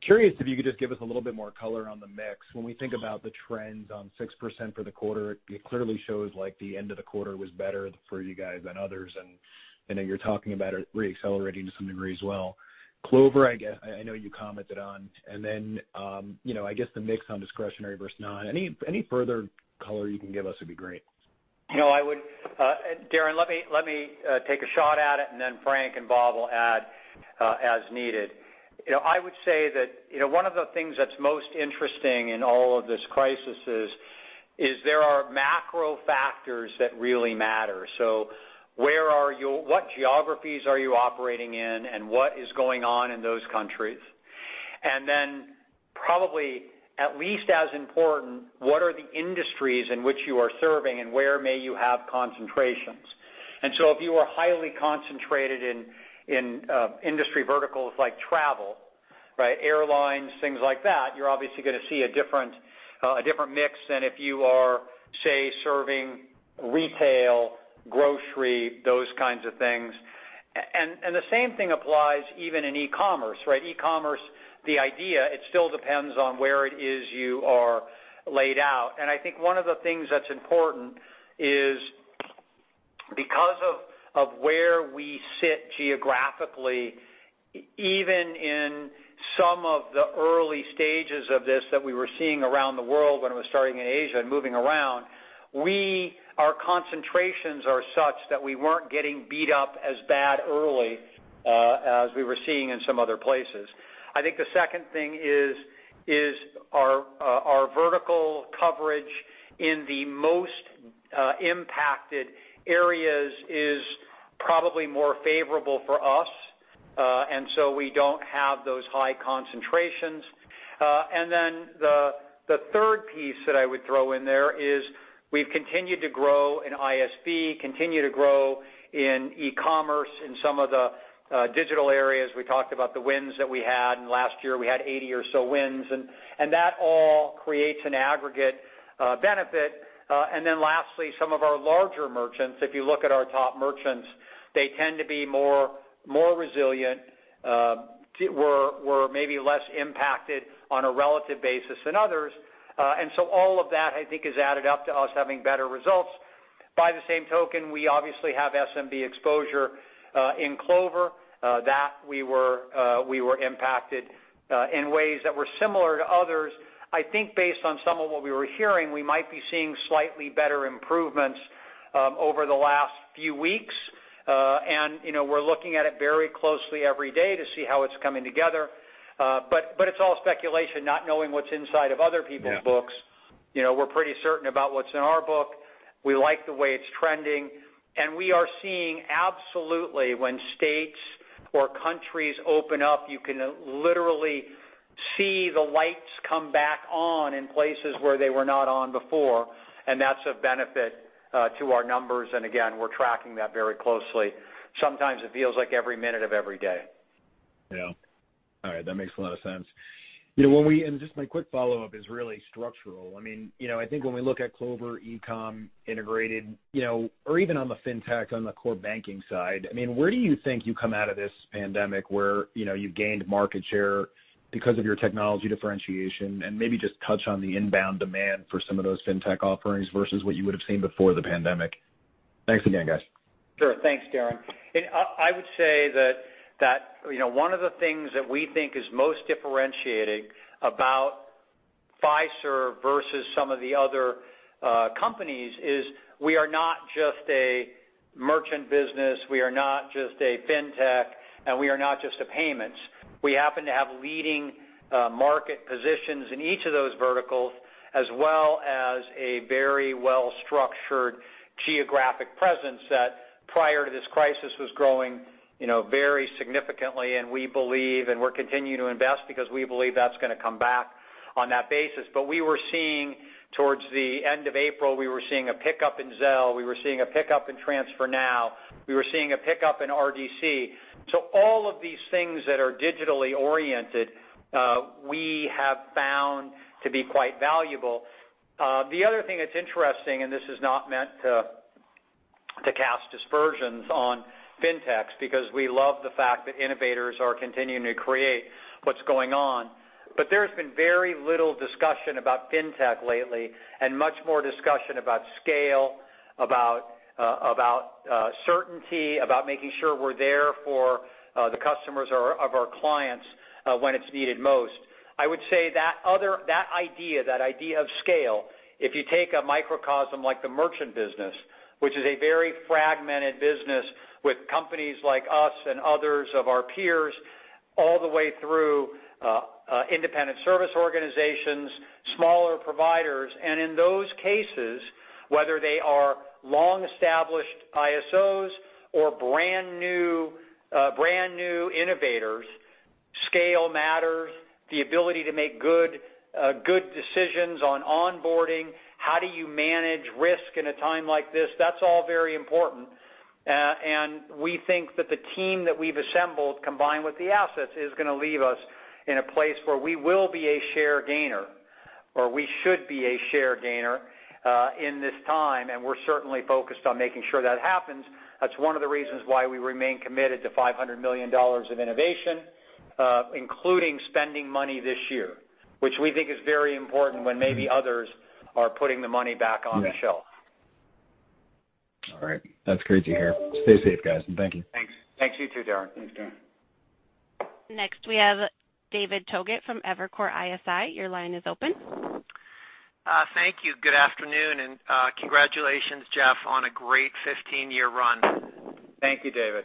curious if you could just give us a little bit more color on the mix. When we think about the trends on 6% for the quarter, it clearly shows like the end of the quarter was better for you guys than others, and I know you're talking about it re-accelerating to some degree as well. Clover, I know you commented on. I guess the mix on discretionary versus non. Any further color you can give us would be great. Darrin, let me take a shot at it, and then Frank and Bob will add as needed. I would say that one of the things that's most interesting in all of this crisis is there are macro factors that really matter. What geographies are you operating in, and what is going on in those countries? Probably at least as important, what are the industries in which you are serving, and where may you have concentrations? If you are highly concentrated in industry verticals like travel, airlines, things like that, you're obviously going to see a different mix than if you are, say, serving retail, grocery, those kinds of things. The same thing applies even in e-commerce. E-commerce, the idea, it still depends on where it is you are laid out. I think one of the things that's important is because of where we sit geographically, even in some of the early stages of this that we were seeing around the world when it was starting in Asia and moving around, our concentrations are such that we weren't getting beat up as bad early as we were seeing in some other places. I think the second thing is our vertical coverage in the most impacted areas is probably more favorable for us, and so we don't have those high concentrations. The third piece that I would throw in there is we've continued to grow in ISV, continue to grow in e-commerce, in some of the digital areas. We talked about the wins that we had, and last year we had 80 or so wins, and that all creates an aggregate benefit. Then lastly, some of our larger merchants, if you look at our top merchants, they tend to be more resilient, were maybe less impacted on a relative basis than others. All of that, I think, has added up to us having better results. By the same token, we obviously have SMB exposure in Clover that we were impacted in ways that were similar to others. I think based on some of what we were hearing, we might be seeing slightly better improvements over the last few weeks. We're looking at it very closely every day to see how it's coming together. It's all speculation, not knowing what's inside of other people's books. Yeah. We're pretty certain about what's in our book. We like the way it's trending. We are seeing absolutely when states or countries open up, you can literally see the lights come back on in places where they were not on before, and that's of benefit to our numbers. Again, we're tracking that very closely. Sometimes it feels like every minute of every day. Yeah. All right. That makes a lot of sense. Just my quick follow-up is really structural. I think when we look at Clover, e-com, integrated, or even on the fintech, on the core banking side, where do you think you come out of this pandemic where you've gained market share because of your technology differentiation? Maybe just touch on the inbound demand for some of those fintech offerings versus what you would have seen before the pandemic. Thanks again, guys. Sure. Thanks, Darrin. I would say that one of the things that we think is most differentiating about Fiserv versus some of the other companies is we are not just a merchant business, we are not just a fintech, and we are not just a payments. We happen to have leading market positions in each of those verticals, as well as a very well-structured geographic presence that prior to this crisis was growing very significantly. We believe, and we're continuing to invest because we believe that's going to come back on that basis. Towards the end of April, we were seeing a pickup in Zelle, we were seeing a pickup in TransferNow, we were seeing a pickup in RDC. All of these things that are digitally oriented, we have found to be quite valuable. The other thing that's interesting, this is not meant to cast aspersions on fintechs, because we love the fact that innovators are continuing to create what's going on. There has been very little discussion about fintech lately and much more discussion about scale, about certainty, about making sure we're there for the customers of our clients when it's needed most. I would say that idea of scale, if you take a microcosm like the merchant business, which is a very fragmented business with companies like us and others of our peers all the way through independent sales organizations, smaller providers. In those cases, whether they are long-established ISOs or brand new innovators, scale matters, the ability to make good decisions on onboarding, how do you manage risk in a time like this? That's all very important. We think that the team that we've assembled, combined with the assets, is going to leave us in a place where we will be a share gainer, or we should be a share gainer in this time, and we're certainly focused on making sure that happens. That's one of the reasons why we remain committed to $500 million of innovation, including spending money this year, which we think is very important when maybe others are putting the money back on the shelf. Yeah. All right. That's great to hear. Stay safe, guys, and thank you. Thanks. You too, Darrin. Thanks, Darrin. Next, we have David Togut from Evercore ISI. Your line is open. Thank you. Good afternoon, and congratulations, Jeff, on a great 15-year run. Thank you, David.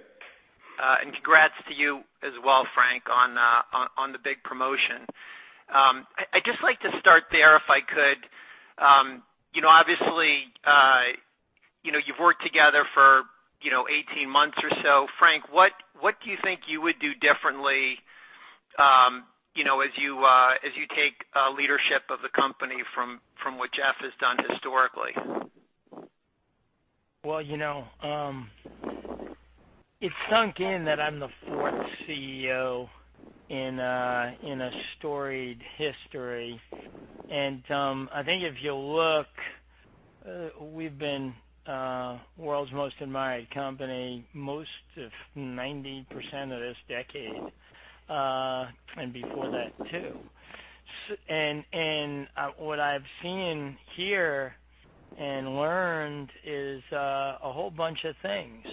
Congrats to you as well, Frank, on the big promotion. I'd just like to start there if I could. Obviously, you've worked together for 18 months or so. Frank, what do you think you would do differently as you take leadership of the company from what Jeff has done historically? Well, it sunk in that I'm the fourth CEO in a storied history. I think if you look, we've been world's most admired company most of 90% of this decade, and before that too. What I've seen here and learned is a whole bunch of things.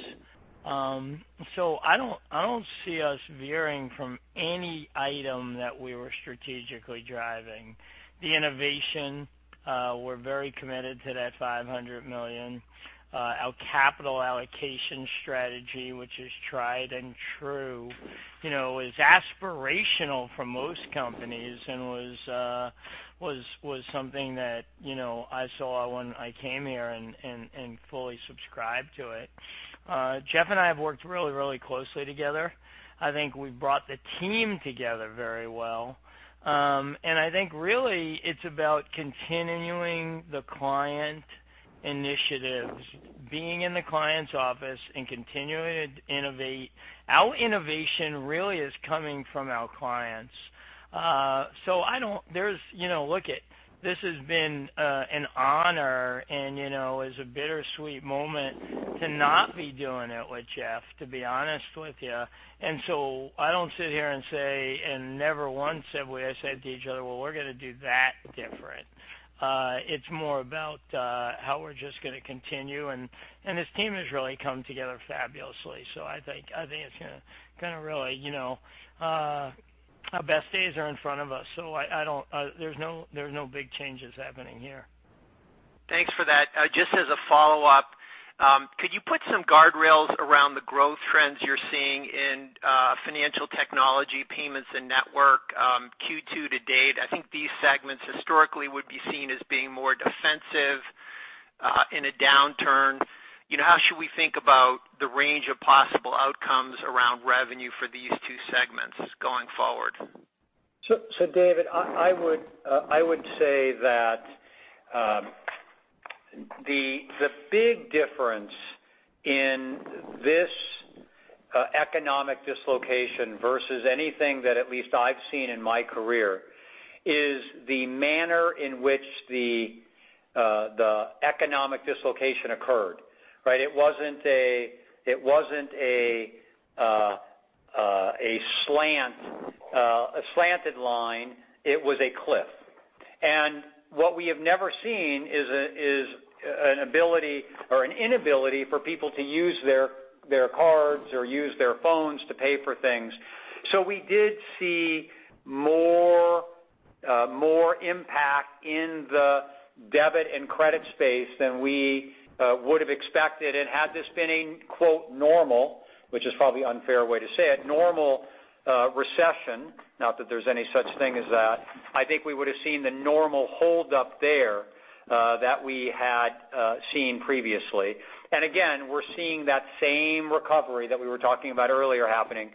I don't see us veering from any item that we were strategically driving. The innovation, we're very committed to that $500 million. Our capital allocation strategy, which is tried and true, is aspirational for most companies and was something that I saw when I came here and fully subscribe to it. Jeff and I have worked really, really closely together. I think we've brought the team together very well. I think really it's about continuing the client initiatives, being in the client's office and continuing to innovate. Our innovation really is coming from our clients. Look, this has been an honor and is a bittersweet moment to not be doing it with Jeff, to be honest with you. I don't sit here and say, and never once have we said to each other, "Well, we're going to do that different." It's more about how we're just going to continue, and this team has really come together fabulously. I think it's going to really Our best days are in front of us, so there's no big changes happening here. Thanks for that. Just as a follow-up, could you put some guardrails around the growth trends you're seeing in financial technology payments and network Q2 to date? I think these segments historically would be seen as being more defensive in a downturn. How should we think about the range of possible outcomes around revenue for these two segments going forward? David, I would say that the big difference in this economic dislocation versus anything that at least I've seen in my career is the manner in which the economic dislocation occurred, right? It wasn't a slanted line. It was a cliff. What we have never seen is an inability for people to use their cards or use their phones to pay for things. We did see more impact in the debit and credit space than we would've expected. Had this been a quote, normal, which is probably an unfair way to say it, normal recession, not that there's any such thing as that, I think we would've seen the normal hold up there that we had seen previously. Again, we're seeing that same recovery that we were talking about earlier happening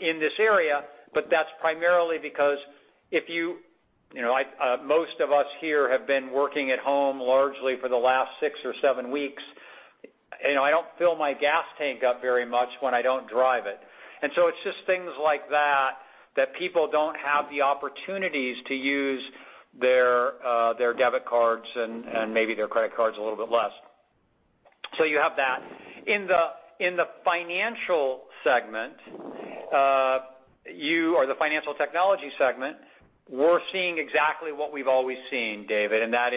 in this area, but that's primarily because most of us here have been working at home largely for the last six or seven weeks. I don't fill my gas tank up very much when I don't drive it. It's just things like that that people don't have the opportunities to use their debit cards and maybe their credit cards a little bit less. You have that. In the financial segment, or the financial technology segment, we're seeing exactly what we've always seen, David, and that's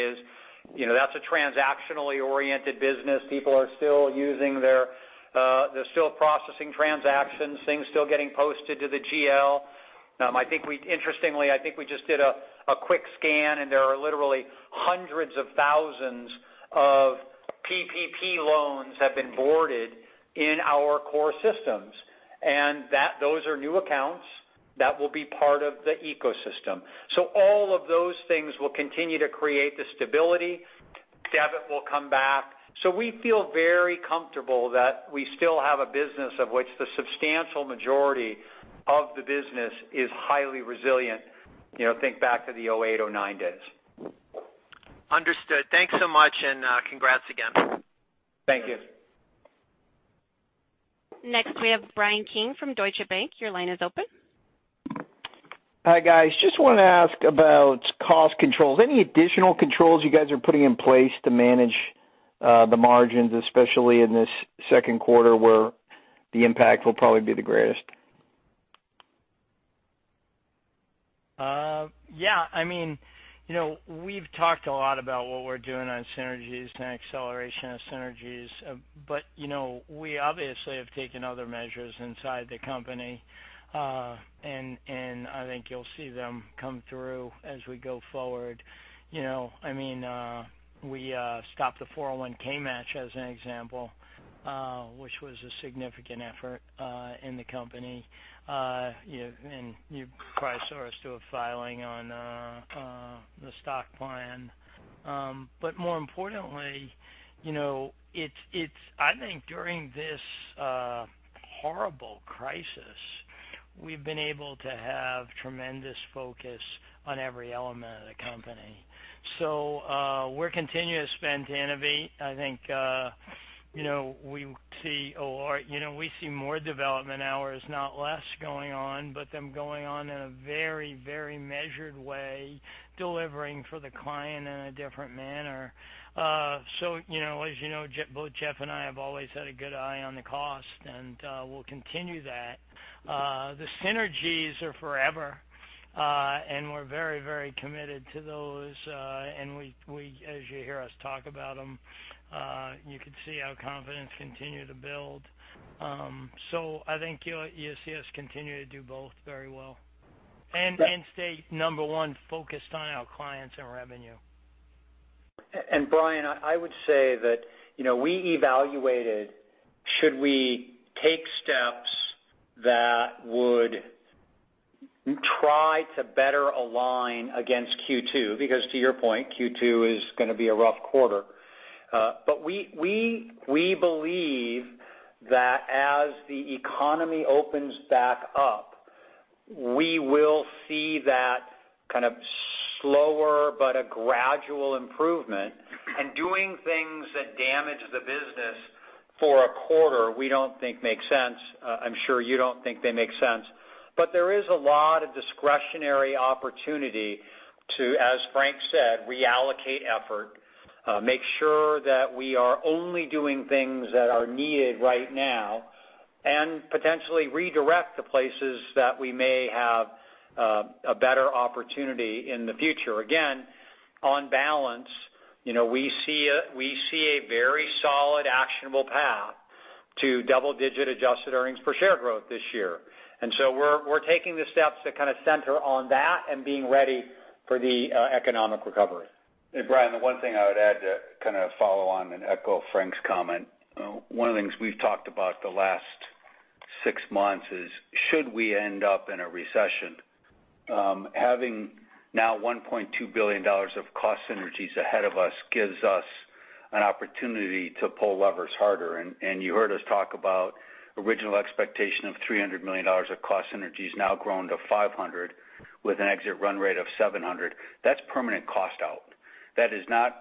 a transactionally oriented business. People are still using they're still processing transactions, things still getting posted to the GL. Interestingly, I think we just did a quick scan, and there are literally hundreds of thousands of PPP loans have been boarded in our core systems. Those are new accounts that will be part of the ecosystem. All of those things will continue to create the stability. Debit will come back. We feel very comfortable that we still have a business of which the substantial majority of the business is highly resilient. Think back to the 2008, 2009 days. Understood. Thanks so much, and congrats again. Thank you. Next, we have Bryan Keane from Deutsche Bank. Your line is open. Hi guys. Just want to ask about cost controls. Any additional controls you guys are putting in place to manage the margins, especially in this second quarter where the impact will probably be the greatest? Yeah. We've talked a lot about what we're doing on synergies and acceleration of synergies. We obviously have taken other measures inside the company. I think you'll see them come through as we go forward. We stopped the 401 match as an example, which was a significant effort in the company. You probably saw us do a filing on the stock plan. More importantly, I think during this horrible crisis. We've been able to have tremendous focus on every element of the company. We're continuing to spend to innovate. I think we see more development hours, not less going on, but them going on in a very measured way, delivering for the client in a different manner. As you know, both Jeff and I have always had a good eye on the cost, and we'll continue that. The synergies are forever, and we're very committed to those, and as you hear us talk about them, you can see our confidence continue to build. I think you'll see us continue to do both very well and stay number one focused on our clients and revenue. Bryan, I would say that we evaluated should we take steps that would try to better align against Q2, because to your point, Q2 is going to be a rough quarter. We believe that as the economy opens back up, we will see that kind of slower but a gradual improvement. Doing things that damage the business for a quarter, we don't think makes sense. I'm sure you don't think they make sense. There is a lot of discretionary opportunity to, as Frank said, reallocate effort, make sure that we are only doing things that are needed right now, and potentially redirect to places that we may have a better opportunity in the future. On balance, we see a very solid actionable path to double-digit adjusted earnings per share growth this year. We're taking the steps to kind of center on that and being ready for the economic recovery. Bryan, the one thing I would add to kind of follow on and echo Frank's comment. One of the things we've talked about the last six months is should we end up in a recession, having now $1.2 billion of cost synergies ahead of us gives us an opportunity to pull levers harder. You heard us talk about original expectation of $300 million of cost synergies now grown to $500 million with an exit run rate of $700 million. That's permanent cost out. That is not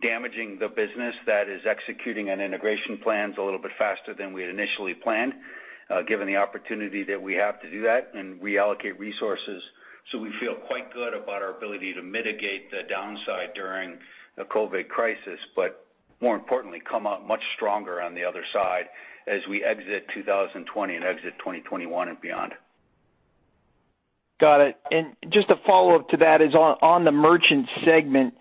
damaging the business. That is executing on integration plans a little bit faster than we had initially planned given the opportunity that we have to do that and reallocate resources. We feel quite good about our ability to mitigate the downside during the COVID crisis, but more importantly, come out much stronger on the other side as we exit 2020 and exit 2021 and beyond. Got it. Just a follow-up to that is on the merchant segment,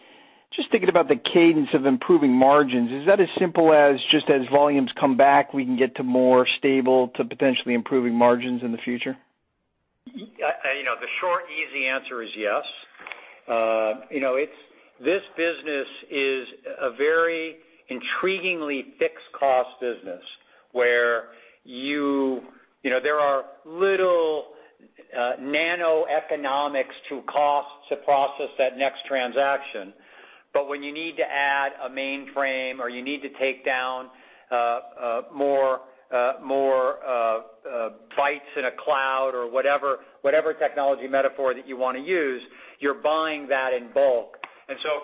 just thinking about the cadence of improving margins, is that as simple as just as volumes come back, we can get to more stable to potentially improving margins in the future? The short, easy answer is yes. This business is a very intriguingly fixed cost business where there are little nanoeconomics to costs to process that next transaction. When you need to add a mainframe or you need to take down more bytes in a cloud or whatever technology metaphor that you want to use, you're buying that in bulk.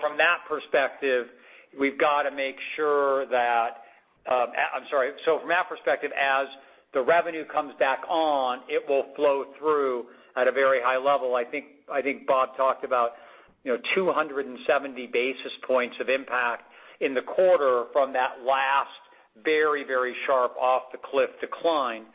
From that perspective, as the revenue comes back on, it will flow through at a very high level. I think Bob talked about 270 basis points of impact in the quarter from that last very sharp off-the-cliff decline.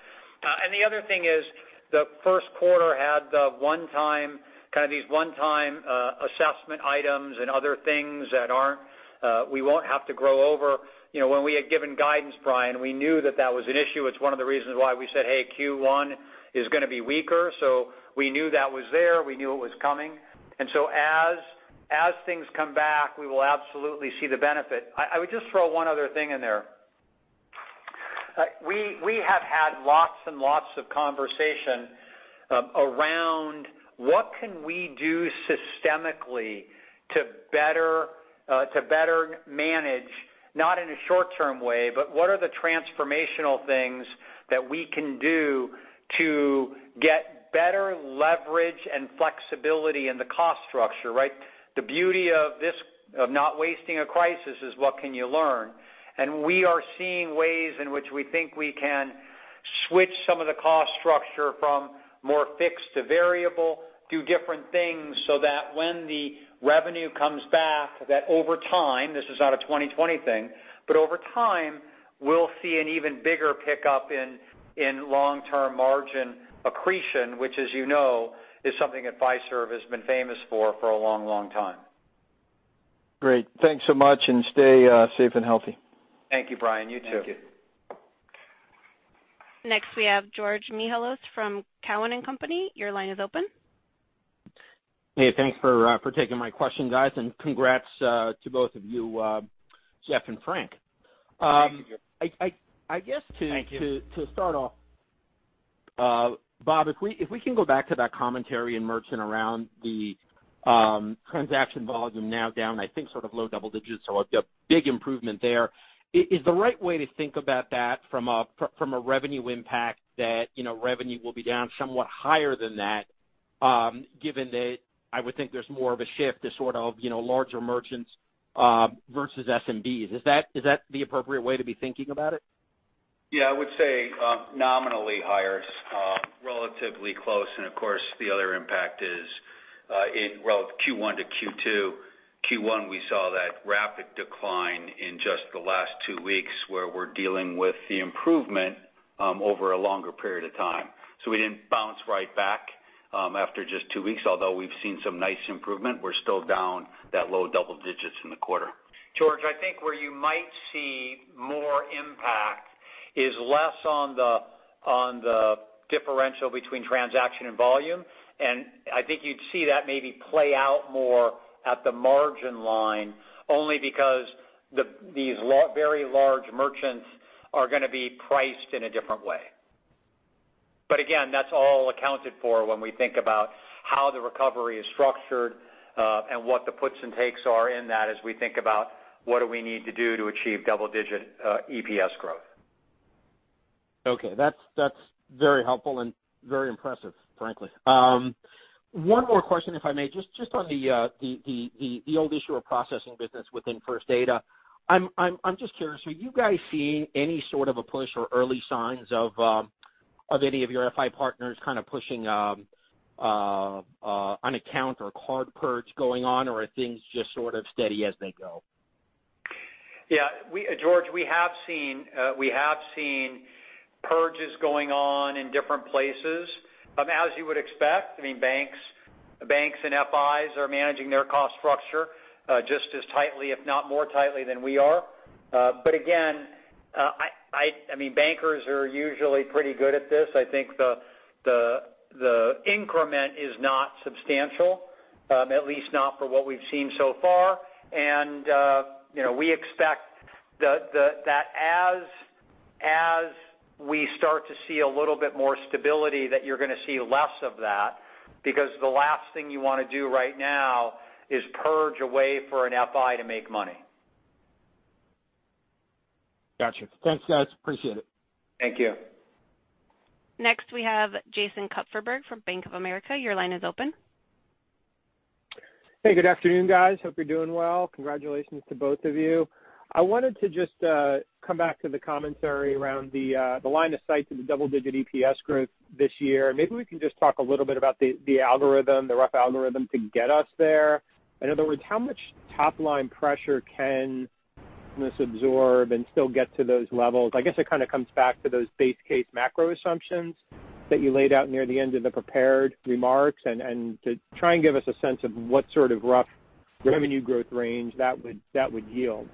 The other thing is the first quarter had these one-time assessment items and other things that we won't have to grow over. When we had given guidance, Bryan, we knew that that was an issue. It's one of the reasons why we said, "Hey, Q1 is going to be weaker." We knew that was there, we knew it was coming. As things come back, we will absolutely see the benefit. I would just throw one other thing in there. We have had lots and lots of conversation around what can we do systemically to better manage, not in a short-term way, but what are the transformational things that we can do to get better leverage and flexibility in the cost structure, right? The beauty of not wasting a crisis is what can you learn? We are seeing ways in which we think we can switch some of the cost structure from more fixed to variable, do different things so that when the revenue comes back, that over time, this is not a 2020 thing, but over time, we'll see an even bigger pickup in long-term margin accretion, which as you know, is something that Fiserv has been famous for a long time. Great. Thanks so much and stay safe and healthy. Thank you, Bryan. You too. Thank you. We have George Mihalos from Cowen and Company. Your line is open. Hey, thanks for taking my question, guys, and congrats to both of you, Jeff and Frank. Thank you. Thank you. I guess to start off, Bob, if we can go back to that commentary in merchant around the transaction volume now down, I think sort of low double digits or a big improvement there. Is the right way to think about that from a revenue impact that revenue will be down somewhat higher than that, given that I would think there's more of a shift to larger merchants versus SMBs? Is that the appropriate way to be thinking about it? Yeah, I would say nominally higher. Relatively close. Of course, the other impact is in Q1-Q2. Q1, we saw that rapid decline in just the last two weeks, where we're dealing with the improvement over a longer period of time. We didn't bounce right back after just two weeks, although we've seen some nice improvement. We're still down that low double digits in the quarter. George, I think where you might see more impact is less on the differential between transaction and volume. I think you'd see that maybe play out more at the margin line, only because these very large merchants are going to be priced in a different way. Again, that's all accounted for when we think about how the recovery is structured and what the puts and takes are in that as we think about what do we need to do to achieve double-digit EPS growth. That's very helpful and very impressive, frankly. One more question, if I may, just on the old issuer of processing business within First Data. I'm just curious, are you guys seeing any sort of a push or early signs of any of your FI partners kind of pushing an account or card purge going on, or are things just sort of steady as they go? George, we have seen purges going on in different places. As you would expect, banks and FIs are managing their cost structure just as tightly, if not more tightly than we are. Again, bankers are usually pretty good at this. I think the increment is not substantial, at least not for what we've seen so far. We expect that as we start to see a little bit more stability, that you're going to see less of that, because the last thing you want to do right now is purge a way for an FI to make money. Got you. Thanks, guys. Appreciate it. Thank you. Next, we have Jason Kupferberg from Bank of America. Your line is open. Hey, good afternoon, guys. Hope you're doing well. Congratulations to both of you. I wanted to just come back to the commentary around the line of sight to the double-digit EPS growth this year. Maybe we can just talk a little bit about the rough algorithm to get us there. In other words, how much top-line pressure can this absorb and still get to those levels? I guess it kind of comes back to those base case macro assumptions that you laid out near the end of the prepared remarks, and to try and give us a sense of what sort of rough revenue growth range that would yield.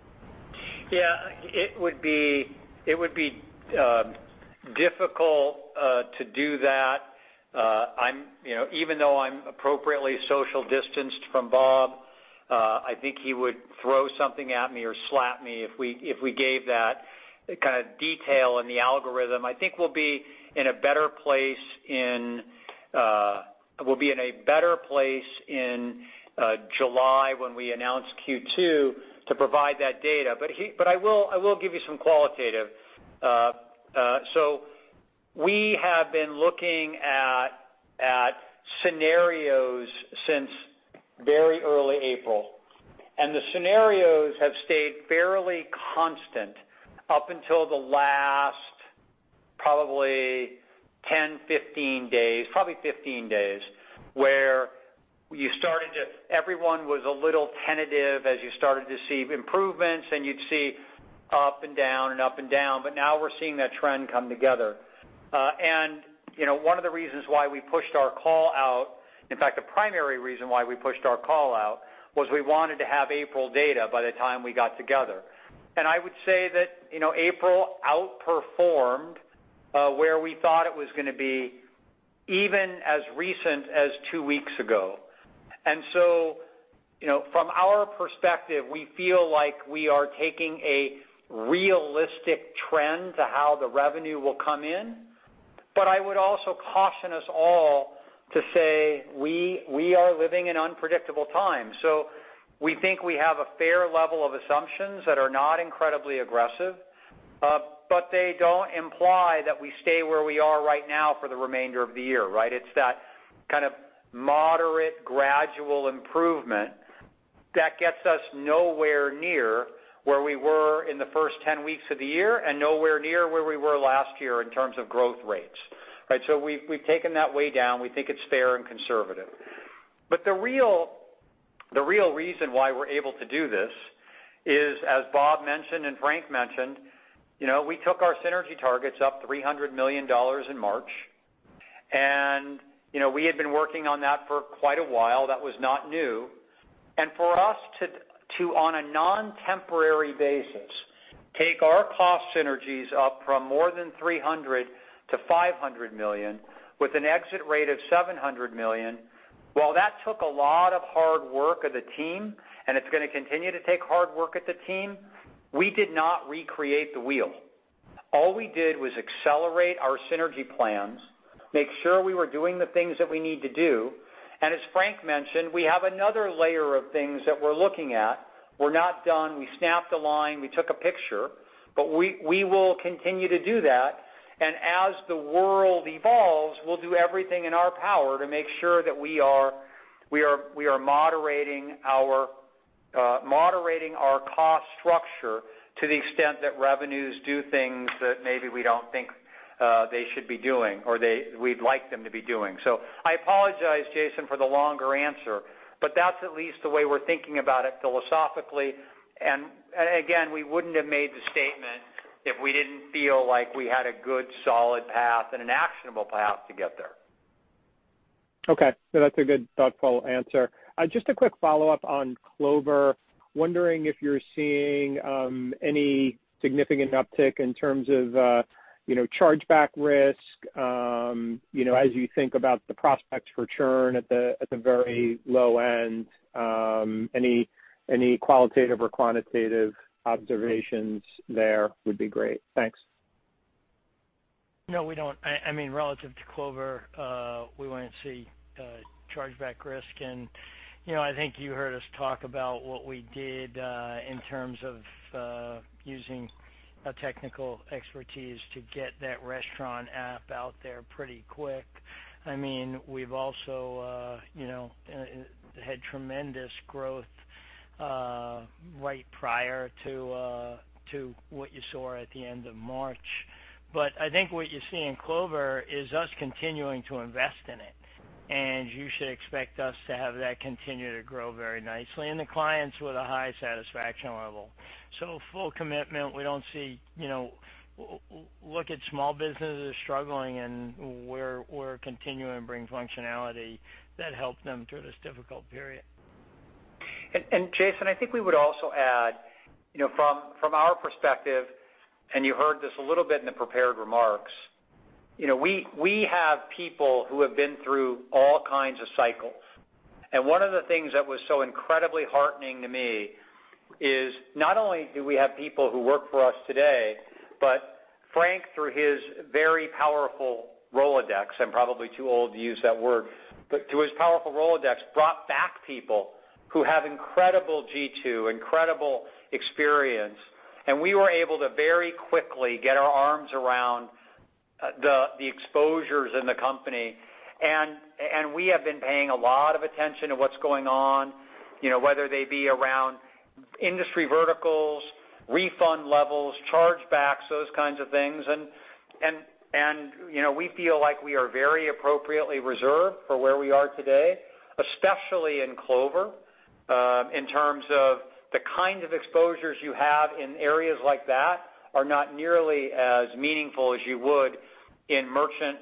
Yeah. It would be difficult to do that. Even though I'm appropriately social distanced from Bob, I think he would throw something at me or slap me if we gave that kind of detail in the algorithm. I think we'll be in a better place in July when we announce Q2 to provide that data. I will give you some qualitative. We have been looking at scenarios since very early April, and the scenarios have stayed fairly constant up until the last probably 10, 15 days, probably 15 days, where everyone was a little tentative as you started to see improvements, and you'd see up and down and up and down. Now we're seeing that trend come together. One of the reasons why we pushed our call out, in fact, the primary reason why we pushed our call out was we wanted to have April data by the time we got together. I would say that April outperformed where we thought it was going to be even as recent as two weeks ago. From our perspective, we feel like we are taking a realistic trend to how the revenue will come in. I would also caution us all to say we are living in unpredictable times. We think we have a fair level of assumptions that are not incredibly aggressive, but they don't imply that we stay where we are right now for the remainder of the year, right? It's that kind of moderate gradual improvement that gets us nowhere near where we were in the first 10 weeks of the year and nowhere near where we were last year in terms of growth rates. Right? We've taken that way down. We think it's fair and conservative. The real reason why we're able to do this is, as Bob mentioned and Frank mentioned, we took our synergy targets up $300 million in March, and we had been working on that for quite a while. That was not new. For us to, on a non-temporary basis, take our cost synergies up from more than $300-$500 million with an exit rate of $700 million, while that took a lot of hard work of the team, and it's going to continue to take hard work of the team, we did not recreate the wheel. All we did was accelerate our synergy plans, make sure we were doing the things that we need to do. As Frank mentioned, we have another layer of things that we're looking at. We're not done. We snapped a line, we took a picture. We will continue to do that, and as the world evolves, we'll do everything in our power to make sure that we are moderating our cost structure to the extent that revenues do things that maybe we don't think they should be doing or we'd like them to be doing. I apologize, Jason, for the longer answer, but that's at least the way we're thinking about it philosophically. Again, we wouldn't have made the statement if we didn't feel like we had a good, solid path and an actionable path to get there. Okay. No, that's a good, thoughtful answer. Just a quick follow-up on Clover. Wondering if you're seeing any significant uptick in terms of chargeback risk as you think about the prospects for churn at the very low end. Any qualitative or quantitative observations there would be great. Thanks. No, we don't. Relative to Clover, we wouldn't see chargeback risk. I think you heard us talk about what we did in terms of using technical expertise to get that restaurant app out there pretty quick. We've also had tremendous growth right prior to what you saw at the end of March. I think what you see in Clover is us continuing to invest in it, and you should expect us to have that continue to grow very nicely, and the clients with a high satisfaction level. Full commitment. Look at small businesses struggling, and we're continuing to bring functionality that helps them through this difficult period. Jason, I think we would also add, from our perspective, and you heard this a little bit in the prepared remarks, we have people who have been through all kinds of cycles. One of the things that was so incredibly heartening to me is not only do we have people who work for us today, but Frank, through his very powerful Rolodex, I'm probably too old to use that word, but through his powerful Rolodex, brought back people who have incredible G2, incredible experience. We were able to very quickly get our arms around the exposures in the company. We have been paying a lot of attention to what's going on, whether they be around industry verticals, refund levels, chargebacks, those kinds of things. We feel like we are very appropriately reserved for where we are today, especially in Clover, in terms of the kinds of exposures you have in areas like that are not nearly as meaningful as you would in merchant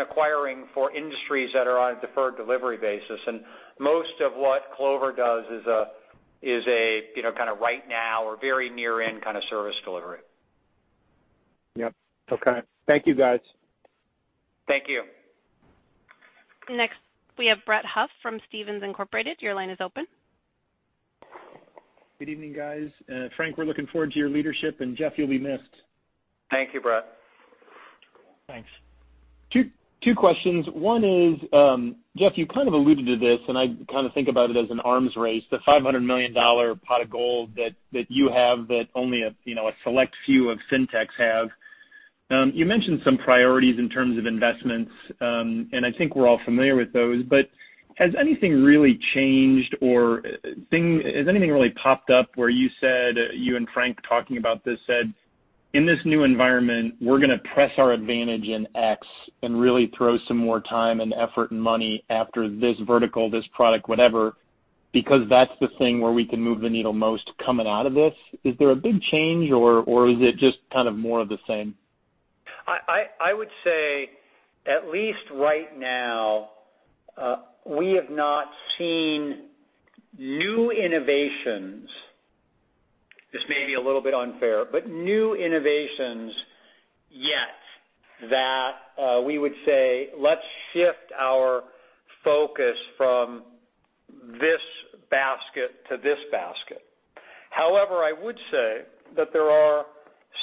acquiring for industries that are on a deferred delivery basis. Most of what Clover does is a kind of right now or very near-end kind of service delivery. Yep. Okay. Thank you, guys. Thank you. We have Brett Huff from Stephens Incorporated. Your line is open. Good evening, guys. Frank, we're looking forward to your leadership, and Jeff, you'll be missed. Thank you, Brett. Thanks. Two questions. One is, Jeff, you kind of alluded to this, and I kind of think about it as an arms race, the $500 million pot of gold that you have that only a select few of fintechs have. You mentioned some priorities in terms of investments, and I think we're all familiar with those, but has anything really changed, or has anything really popped up where you said, you and Frank talking about this said, "In this new environment, we're going to press our advantage in X and really throw some more time and effort and money after this vertical, this product, whatever, because that's the thing where we can move the needle most coming out of this"? Is there a big change, or is it just kind of more of the same? I would say, at least right now, we have not seen new innovations. This may be a little bit unfair, but new innovations yet that we would say, "Let's shift our focus from this basket to this basket." I would say that there are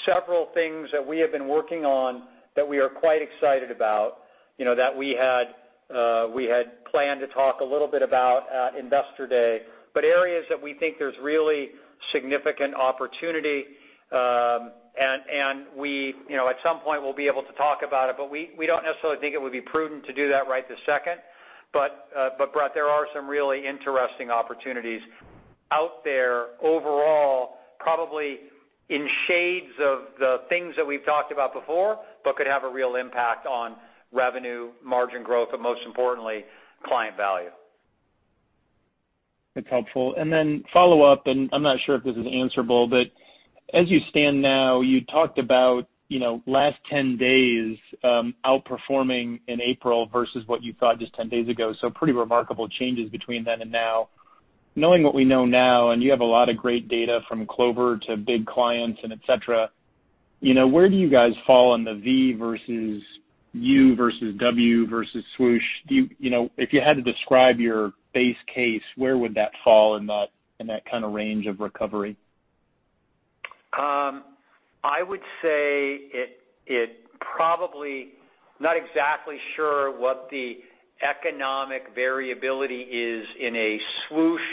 several things that we have been working on that we are quite excited about that we had planned to talk a little bit about at Investor Day. Areas that we think there's really significant opportunity, and we at some point will be able to talk about it, but we don't necessarily think it would be prudent to do that right this second. Brett, there are some really interesting opportunities out there overall, probably in shades of the things that we've talked about before, but could have a real impact on revenue margin growth, but most importantly, client value. That's helpful. Follow-up, and I'm not sure if this is answerable, but as you stand now, you talked about last 10 days outperforming in April versus what you thought just 10 days ago. Pretty remarkable changes between then and now. Knowing what we know now, and you have a lot of great data from Clover to big clients and et cetera, where do you guys fall on the V versus U versus W versus swoosh? If you had to describe your base case, where would that fall in that kind of range of recovery? I would say it probably, not exactly sure what the economic variability is in a swoosh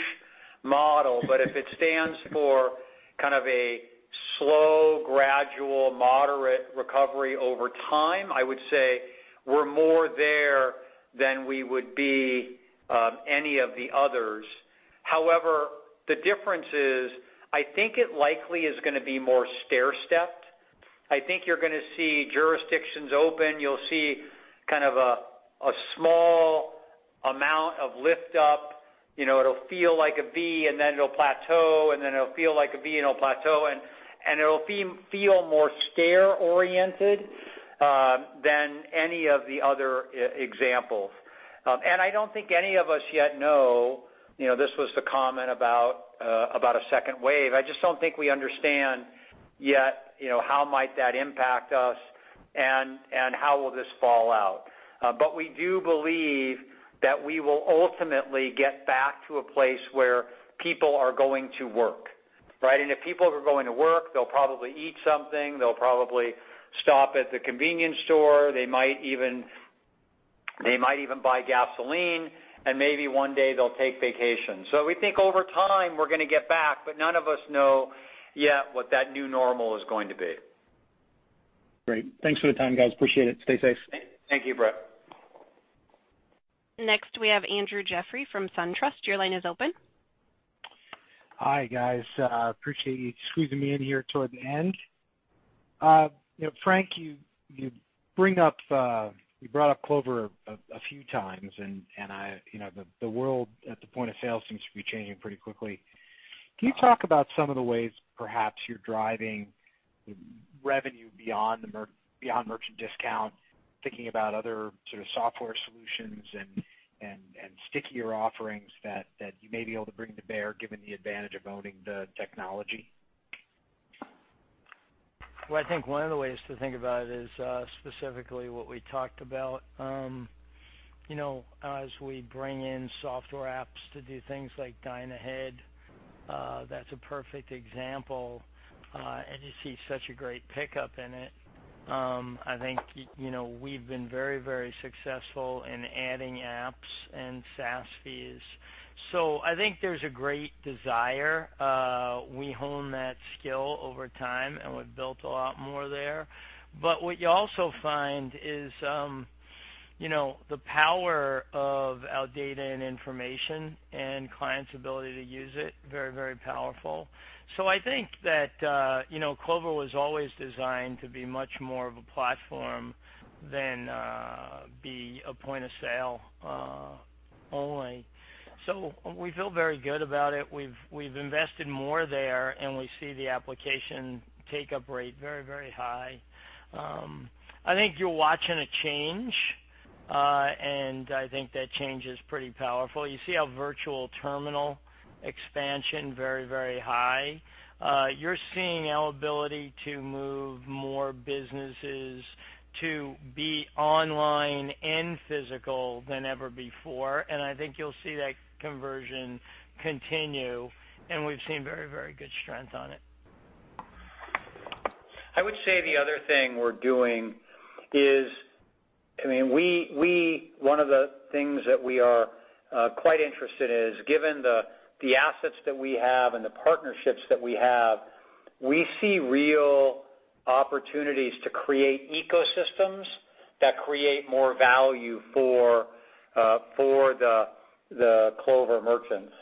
model, but if it stands for kind of a slow gradual moderate recovery over time, I would say we're more there than we would be any of the others. However, the difference is, I think it likely is going to be more stair-stepped. I think you're going to see jurisdictions open. You'll see kind of a small amount of lift up. It'll feel like a V and then it'll plateau, and then it'll feel like a V and it'll plateau, and it'll feel more stair-oriented than any of the other examples. I don't think any of us yet know, this was the comment about a second wave. I just don't think we understand yet, how might that impact us and how will this fall out. We do believe that we will ultimately get back to a place where people are going to work. Right? If people are going to work, they'll probably eat something. They'll probably stop at the convenience store. They might even buy gasoline, and maybe one day they'll take vacations. We think over time we're going to get back, but none of us know yet what that new normal is going to be. Great. Thanks for the time, guys. Appreciate it. Stay safe. Thank you, Brett. Next we have Andrew Jeffrey from SunTrust. Your line is open. Hi guys. Appreciate you squeezing me in here toward the end. Frank, you brought up Clover a few times and the world at the point of sale seems to be changing pretty quickly. Can you talk about some of the ways perhaps you're driving revenue beyond merchant discount, thinking about other sort of software solutions and stickier offerings that you may be able to bring to bear given the advantage of owning the technology? Well, I think one of the ways to think about it is specifically what we talked about. We bring in software apps to do things like Order Ahead, that's a perfect example, and you see such a great pickup in it. I think we've been very successful in adding apps and SaaS fees. I think there's a great desire. We hone that skill over time, and we've built a lot more there. What you also find is the power of our data and information and clients' ability to use it very powerful. I think that Clover was always designed to be much more of a platform than be a point of sale only. We feel very good about it. We've invested more there, and we see the application take up rate very high. I think you're watching a change, and I think that change is pretty powerful. You see our Virtual Terminal expansion very high. You're seeing our ability to move more businesses to be online and physical than ever before, and I think you'll see that conversion continue, and we've seen very good strength on it. I would say the other thing we're doing. One of the things that we are quite interested is given the assets that we have and the partnerships that we have, we see real opportunities to create ecosystems that create more value for the Clover merchants.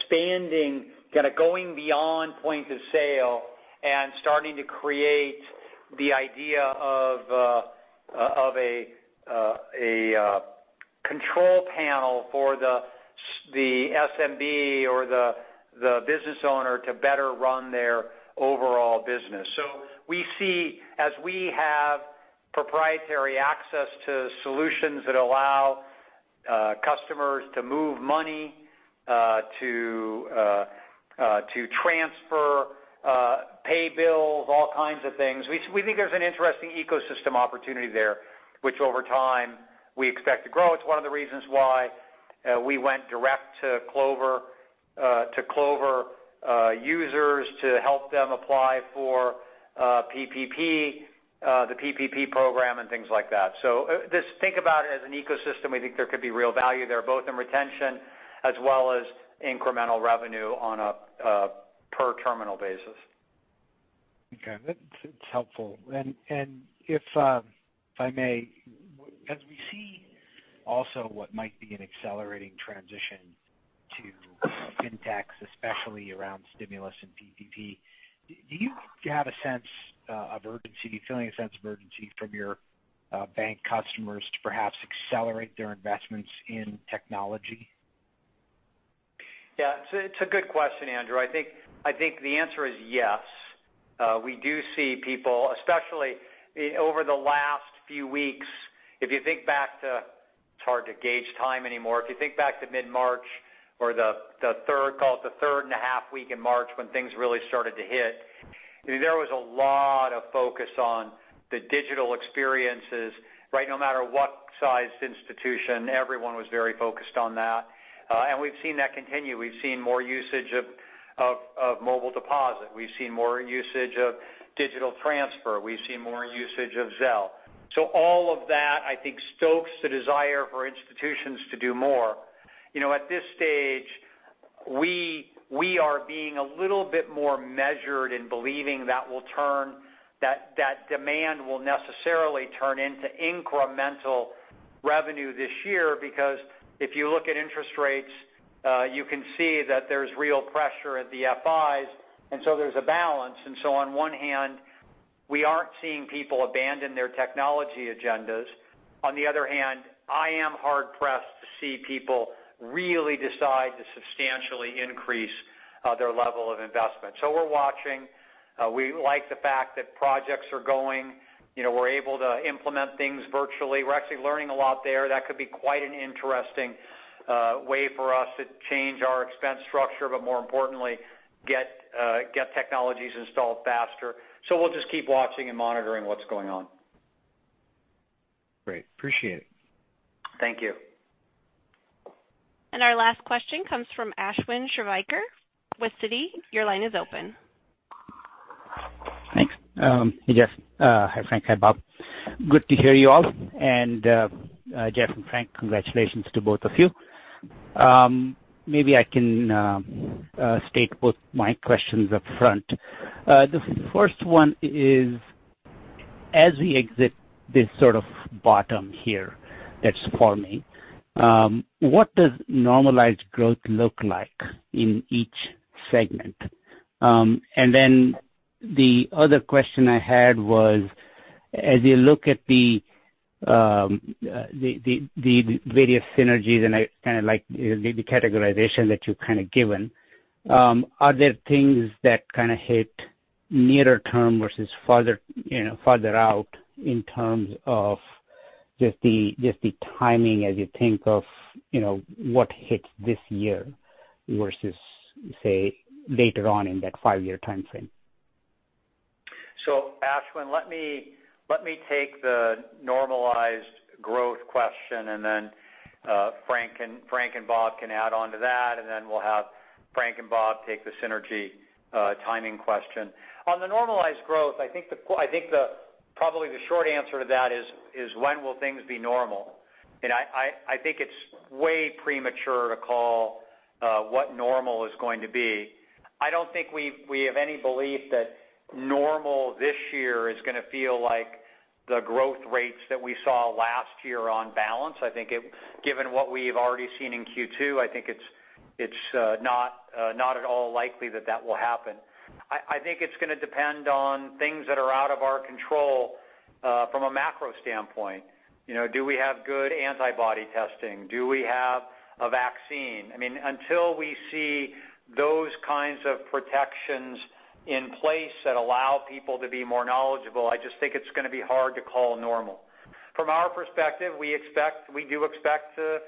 Expanding, kind of going beyond point of sale and starting to create the idea of a control panel for the SMB or the business owner to better run their overall business. We see as we have proprietary access to solutions that allow customers to move money to transfer, pay bills, all kinds of things. We think there's an interesting ecosystem opportunity there, which over time we expect to grow. It's one of the reasons why we went direct to Clover users to help them apply for the PPP program and things like that. Just think about it as an ecosystem. We think there could be real value there, both in retention as well as incremental revenue on a per terminal basis. Okay. That's helpful. If I may, as we see also what might be an accelerating transition to Fintechs, especially around stimulus and PPP, do you have a sense of urgency, feeling a sense of urgency from your bank customers to perhaps accelerate their investments in technology? Yeah. It's a good question, Andrew. I think the answer is yes. We do see people, especially over the last few weeks. It's hard to gauge time anymore. If you think back to mid-March or the third, call it the third and a half week in March when things really started to hit. There was a lot of focus on the digital experiences. No matter what size institution, everyone was very focused on that. We've seen that continue. We've seen more usage of mobile deposit. We've seen more usage of digital transfer. We've seen more usage of Zelle. All of that, I think, stokes the desire for institutions to do more. At this stage, we are being a little bit more measured in believing that demand will necessarily turn into incremental revenue this year because if you look at interest rates, you can see that there's real pressure at the FIs, there's a balance. On one hand, we aren't seeing people abandon their technology agendas. On the other hand, I am hard-pressed to see people really decide to substantially increase their level of investment. We're watching. We like the fact that projects are going. We're able to implement things virtually. We're actually learning a lot there. That could be quite an interesting way for us to change our expense structure, but more importantly, get technologies installed faster. We'll just keep watching and monitoring what's going on. Great. Appreciate it. Thank you. Our last question comes from Ashwin Shirvaikar with Citi. Your line is open. Thanks. Hey, Jeff. Hi, Frank. Hi, Bob. Good to hear you all. Jeff and Frank, congratulations to both of you. Maybe I can state both my questions up front. The first one is, as we exit this sort of bottom here that's forming, what does normalized growth look like in each segment? The other question I had was, as you look at the various synergies, I kind of like the categorization that you've kind of given, are there things that kind of hit nearer term versus farther out in terms of just the timing as you think of what hits this year versus, say, later on in that five-year timeframe? Ashwin Shirvaikar, let me take the normalized growth question, and then Frank and Bob can add onto that. We'll have Frank and Bob take the synergy timing question. On the normalized growth, I think probably the short answer to that is when will things be normal? I think it's way premature to call what normal is going to be. I don't think we have any belief that normal this year is going to feel like the growth rates that we saw last year on balance. Given what we've already seen in Q2, I think it's not at all likely that that will happen. I think it's going to depend on things that are out of our control from a macro standpoint. Do we have good antibody testing? Do we have a vaccine? Until we see those kinds of protections in place that allow people to be more knowledgeable, I just think it's going to be hard to call normal. From our perspective, we do expect to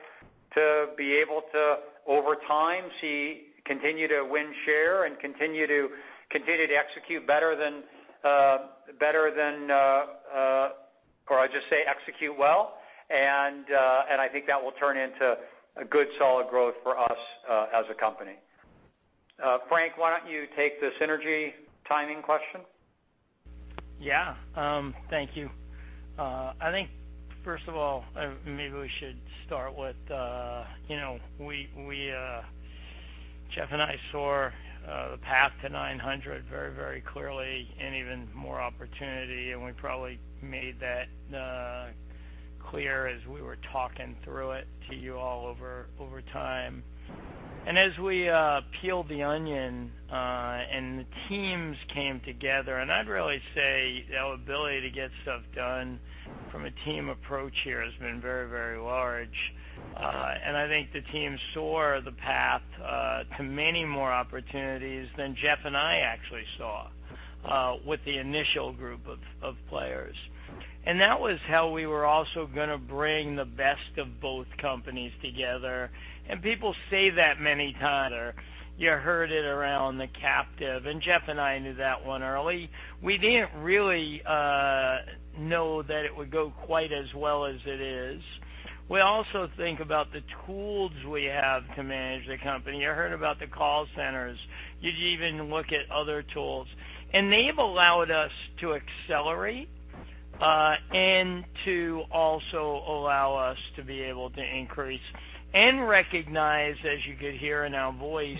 be able to, over time, continue to win share and continue to execute well. I think that will turn into a good solid growth for us as a company. Frank, why don't you take the synergy timing question? Yeah. Thank you. I think, first of all, maybe we should start with Jeff. I saw the path to 900 very clearly and even more opportunity, and we probably made that clear as we were talking through it to you all over time. As we peeled the onion and the teams came together, and I'd really say the ability to get stuff done from a team approach here has been very large. I think the team saw the path to many more opportunities than Jeff and I actually saw with the initial group of players. That was how we were also going to bring the best of both companies together. People say that many times. You heard it around the captive, and Jeff and I knew that one early. We didn't really know that it would go quite as well as it is. We also think about the tools we have to manage the company. You heard about the call centers. You even look at other tools. They've allowed us to accelerate and to also allow us to be able to increase and recognize, as you could hear in our voice,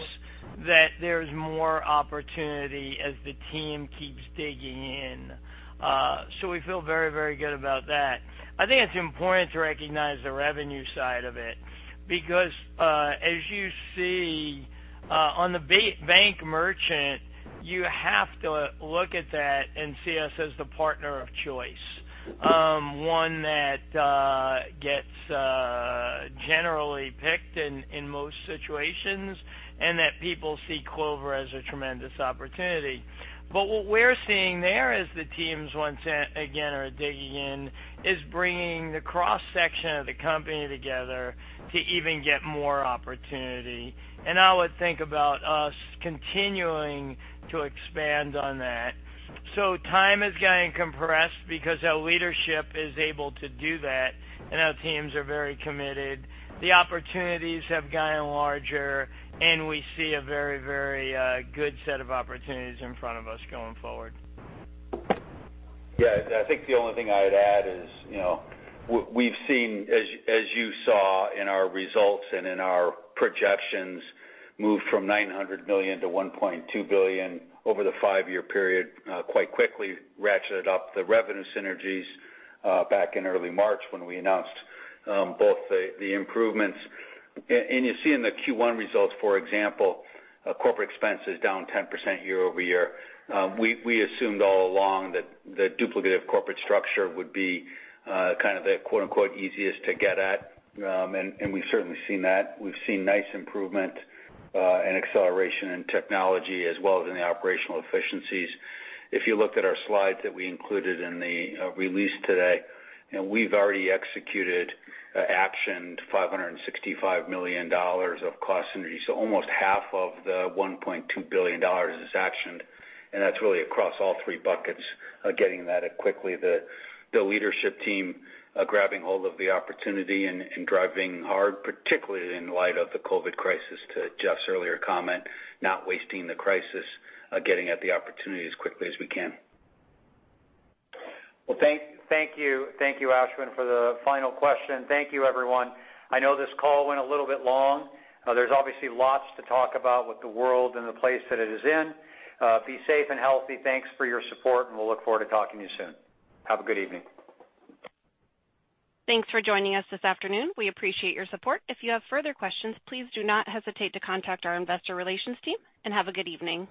that there's more opportunity as the team keeps digging in. We feel very good about that. I think it's important to recognize the revenue side of it because as you see on the bank merchant, you have to look at that and see us as the partner of choice. One that gets generally picked in most situations, and that people see Clover as a tremendous opportunity. What we're seeing there as the teams once again are digging in, is bringing the cross-section of the company together to even get more opportunity. I would think about us continuing to expand on that. Time is getting compressed because our leadership is able to do that, and our teams are very committed. The opportunities have gotten larger, and we see a very good set of opportunities in front of us going forward. Yes. I think the only thing I'd add is, we've seen, as you saw in our results and in our projections, move from $900 million-$1.2 billion over the five-year period, quite quickly ratcheted up the revenue synergies back in early March when we announced both the improvements. You see in the Q1 results, for example, corporate expense is down 10% year-over-year. We assumed all along that the duplicative corporate structure would be kind of the quote-unquote "easiest to get at," and we've certainly seen that. We've seen nice improvement and acceleration in technology, as well as in the operational efficiencies. If you looked at our slides that we included in the release today, we've already executed, actioned $565 million of cost synergies. Almost half of the $1.2 billion is actioned, and that's really across all three buckets, getting that quickly. The leadership team grabbing hold of the opportunity and driving hard, particularly in light of the COVID-19 crisis, to Jeff's earlier comment, not wasting the crisis, getting at the opportunity as quickly as we can. Well, thank you. Thank you, Ashwin, for the final question. Thank you, everyone. I know this call went a little bit long. There's obviously lots to talk about with the world and the place that it is in. Be safe and healthy. Thanks for your support, and we'll look forward to talking to you soon. Have a good evening. Thanks for joining us this afternoon. We appreciate your support. If you have further questions, please do not hesitate to contact our investor relations team, and have a good evening.